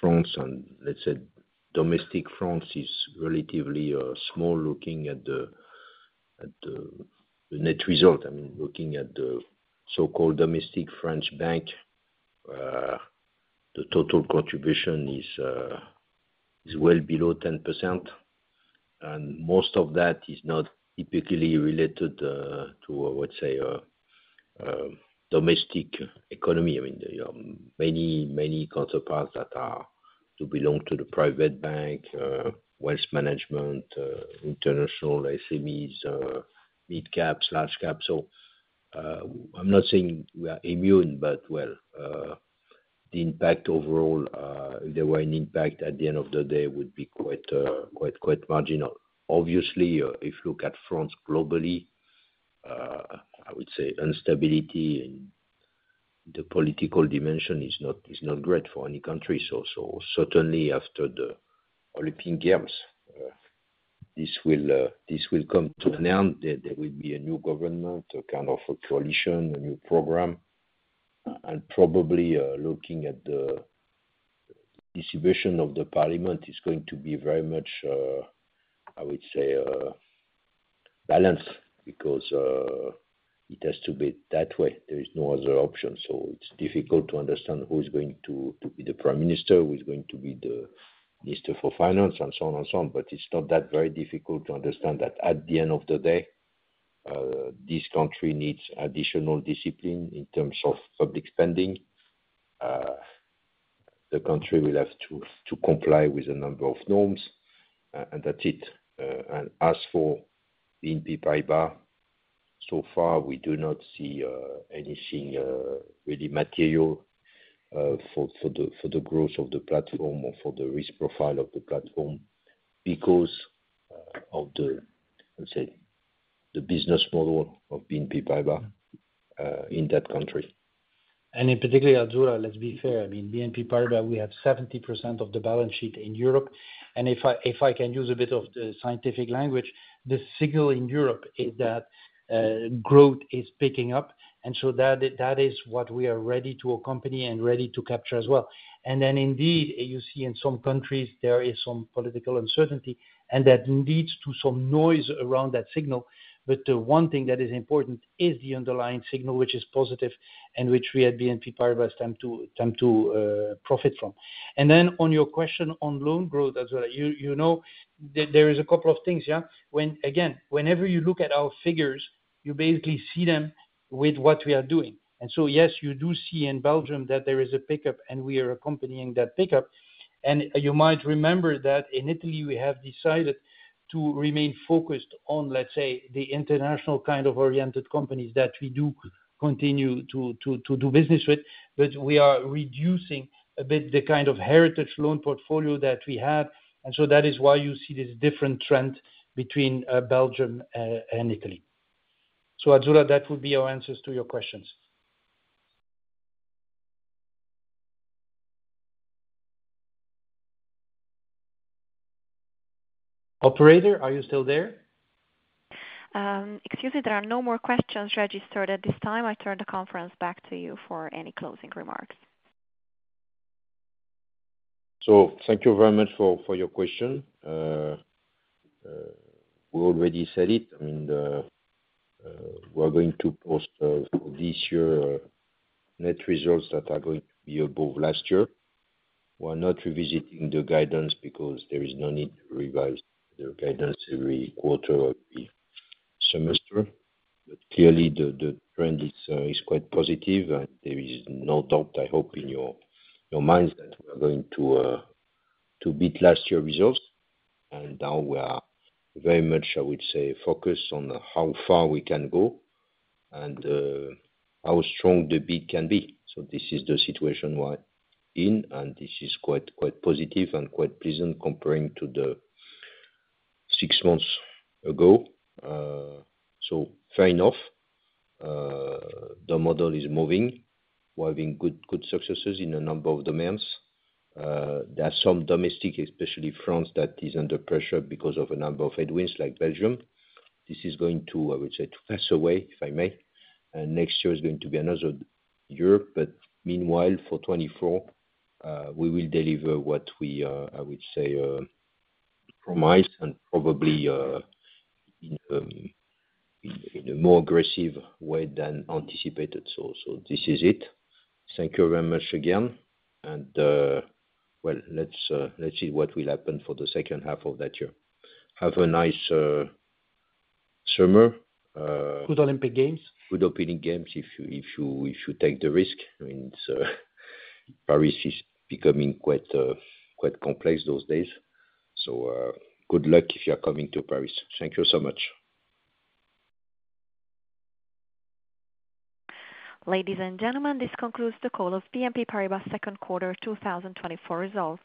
France, and let's say domestic France is relatively small looking at the net result. I mean, looking at the so-called domestic French bank, the total contribution is well below 10%. And most of that is not typically related to, I would say, domestic economy. I mean, there are many, many counterparts that belong to the private bank, Wealth Management, international SMEs, mid-caps, large-caps. So I'm not saying we are immune, but, well, the impact overall, if there were an impact at the end of the day, would be quite marginal. Obviously, if you look at France globally, I would say instability in the political dimension is not great for any country. So certainly, after the Olympic Games, this will come to an end. There will be a new government, a kind of coalition, a new program. Probably looking at the distribution of the parliament, it's going to be very much, I would say, balanced because it has to be that way. There is no other option. It's difficult to understand who is going to be the prime minister, who is going to be the minister for finance, and so on and so on. It's not that very difficult to understand that at the end of the day, this country needs additional discipline in terms of public spending. The country will have to comply with a number of norms, and that's it. As for BNP Paribas, so far, we do not see anything really material for the growth of the platform or for the risk profile of the platform because of the, I would say, the business model of BNP Paribas in that country.
In particular, Azzurra, let's be fair. I mean, BNP Paribas, we have 70% of the balance sheet in Europe. If I can use a bit of the scientific language, the signal in Europe is that growth is picking up. So that is what we are ready to accompany and ready to capture as well. Then indeed, you see in some countries, there is some political uncertainty, and that leads to some noise around that signal. But the one thing that is important is the underlying signal, which is positive and which we at BNP Paribas tend to profit from. And then on your question on loan growth, Azzurra, there is a couple of things. Again, whenever you look at our figures, you basically see them with what we are doing. And so yes, you do see in Belgium that there is a pickup, and we are accompanying that pickup. And you might remember that in Italy, we have decided to remain focused on, let's say, the international kind of oriented companies that we do continue to do business with. But we are reducing a bit the kind of heritage loan portfolio that we have. And so that is why you see this different trend between Belgium and Italy. So Azzurra, that would be our answers to your questions. Operator, are you still there?
Excuse me. There are no more questions registered at this time. I turn the conference back to you for any closing remarks.
So thank you very much for your question. We already said it. I mean, we are going to post this year net results that are going to be above last year. We are not revisiting the guidance because there is no need to revise the guidance every quarter or every semester. But clearly, the trend is quite positive. And there is no doubt, I hope, in your minds that we are going to beat last year's results. And now we are very much, I would say, focused on how far we can go and how strong the beat can be. So this is the situation we're in, and this is quite positive and quite pleasant comparing to six months ago. So fair enough. The model is moving. We're having good successes in a number of domains. There are some domestic, especially France, that is under pressure because of a number of headwinds like Belgium. This is going to, I would say, to pass away, if I may. And next year is going to be another year. But meanwhile, for 2024, we will deliver what we, I would say, promised and probably in a more aggressive way than anticipated. So this is it. Thank you very much again. And well, let's see what will happen for the second half of that year. Have a nice summer. Good Olympic Games. Good Olympic Games if you take the risk. I mean, Paris is becoming quite complex those days. So good luck if you're coming to Paris. Thank you so much.
Ladies and gentlemen, this concludes the call of BNP Paribas' second quarter 2024 results.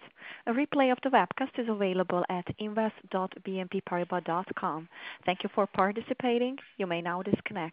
A replay of the webcast is available at invest.bnpparibas.com. Thank you for participating. You may now disconnect.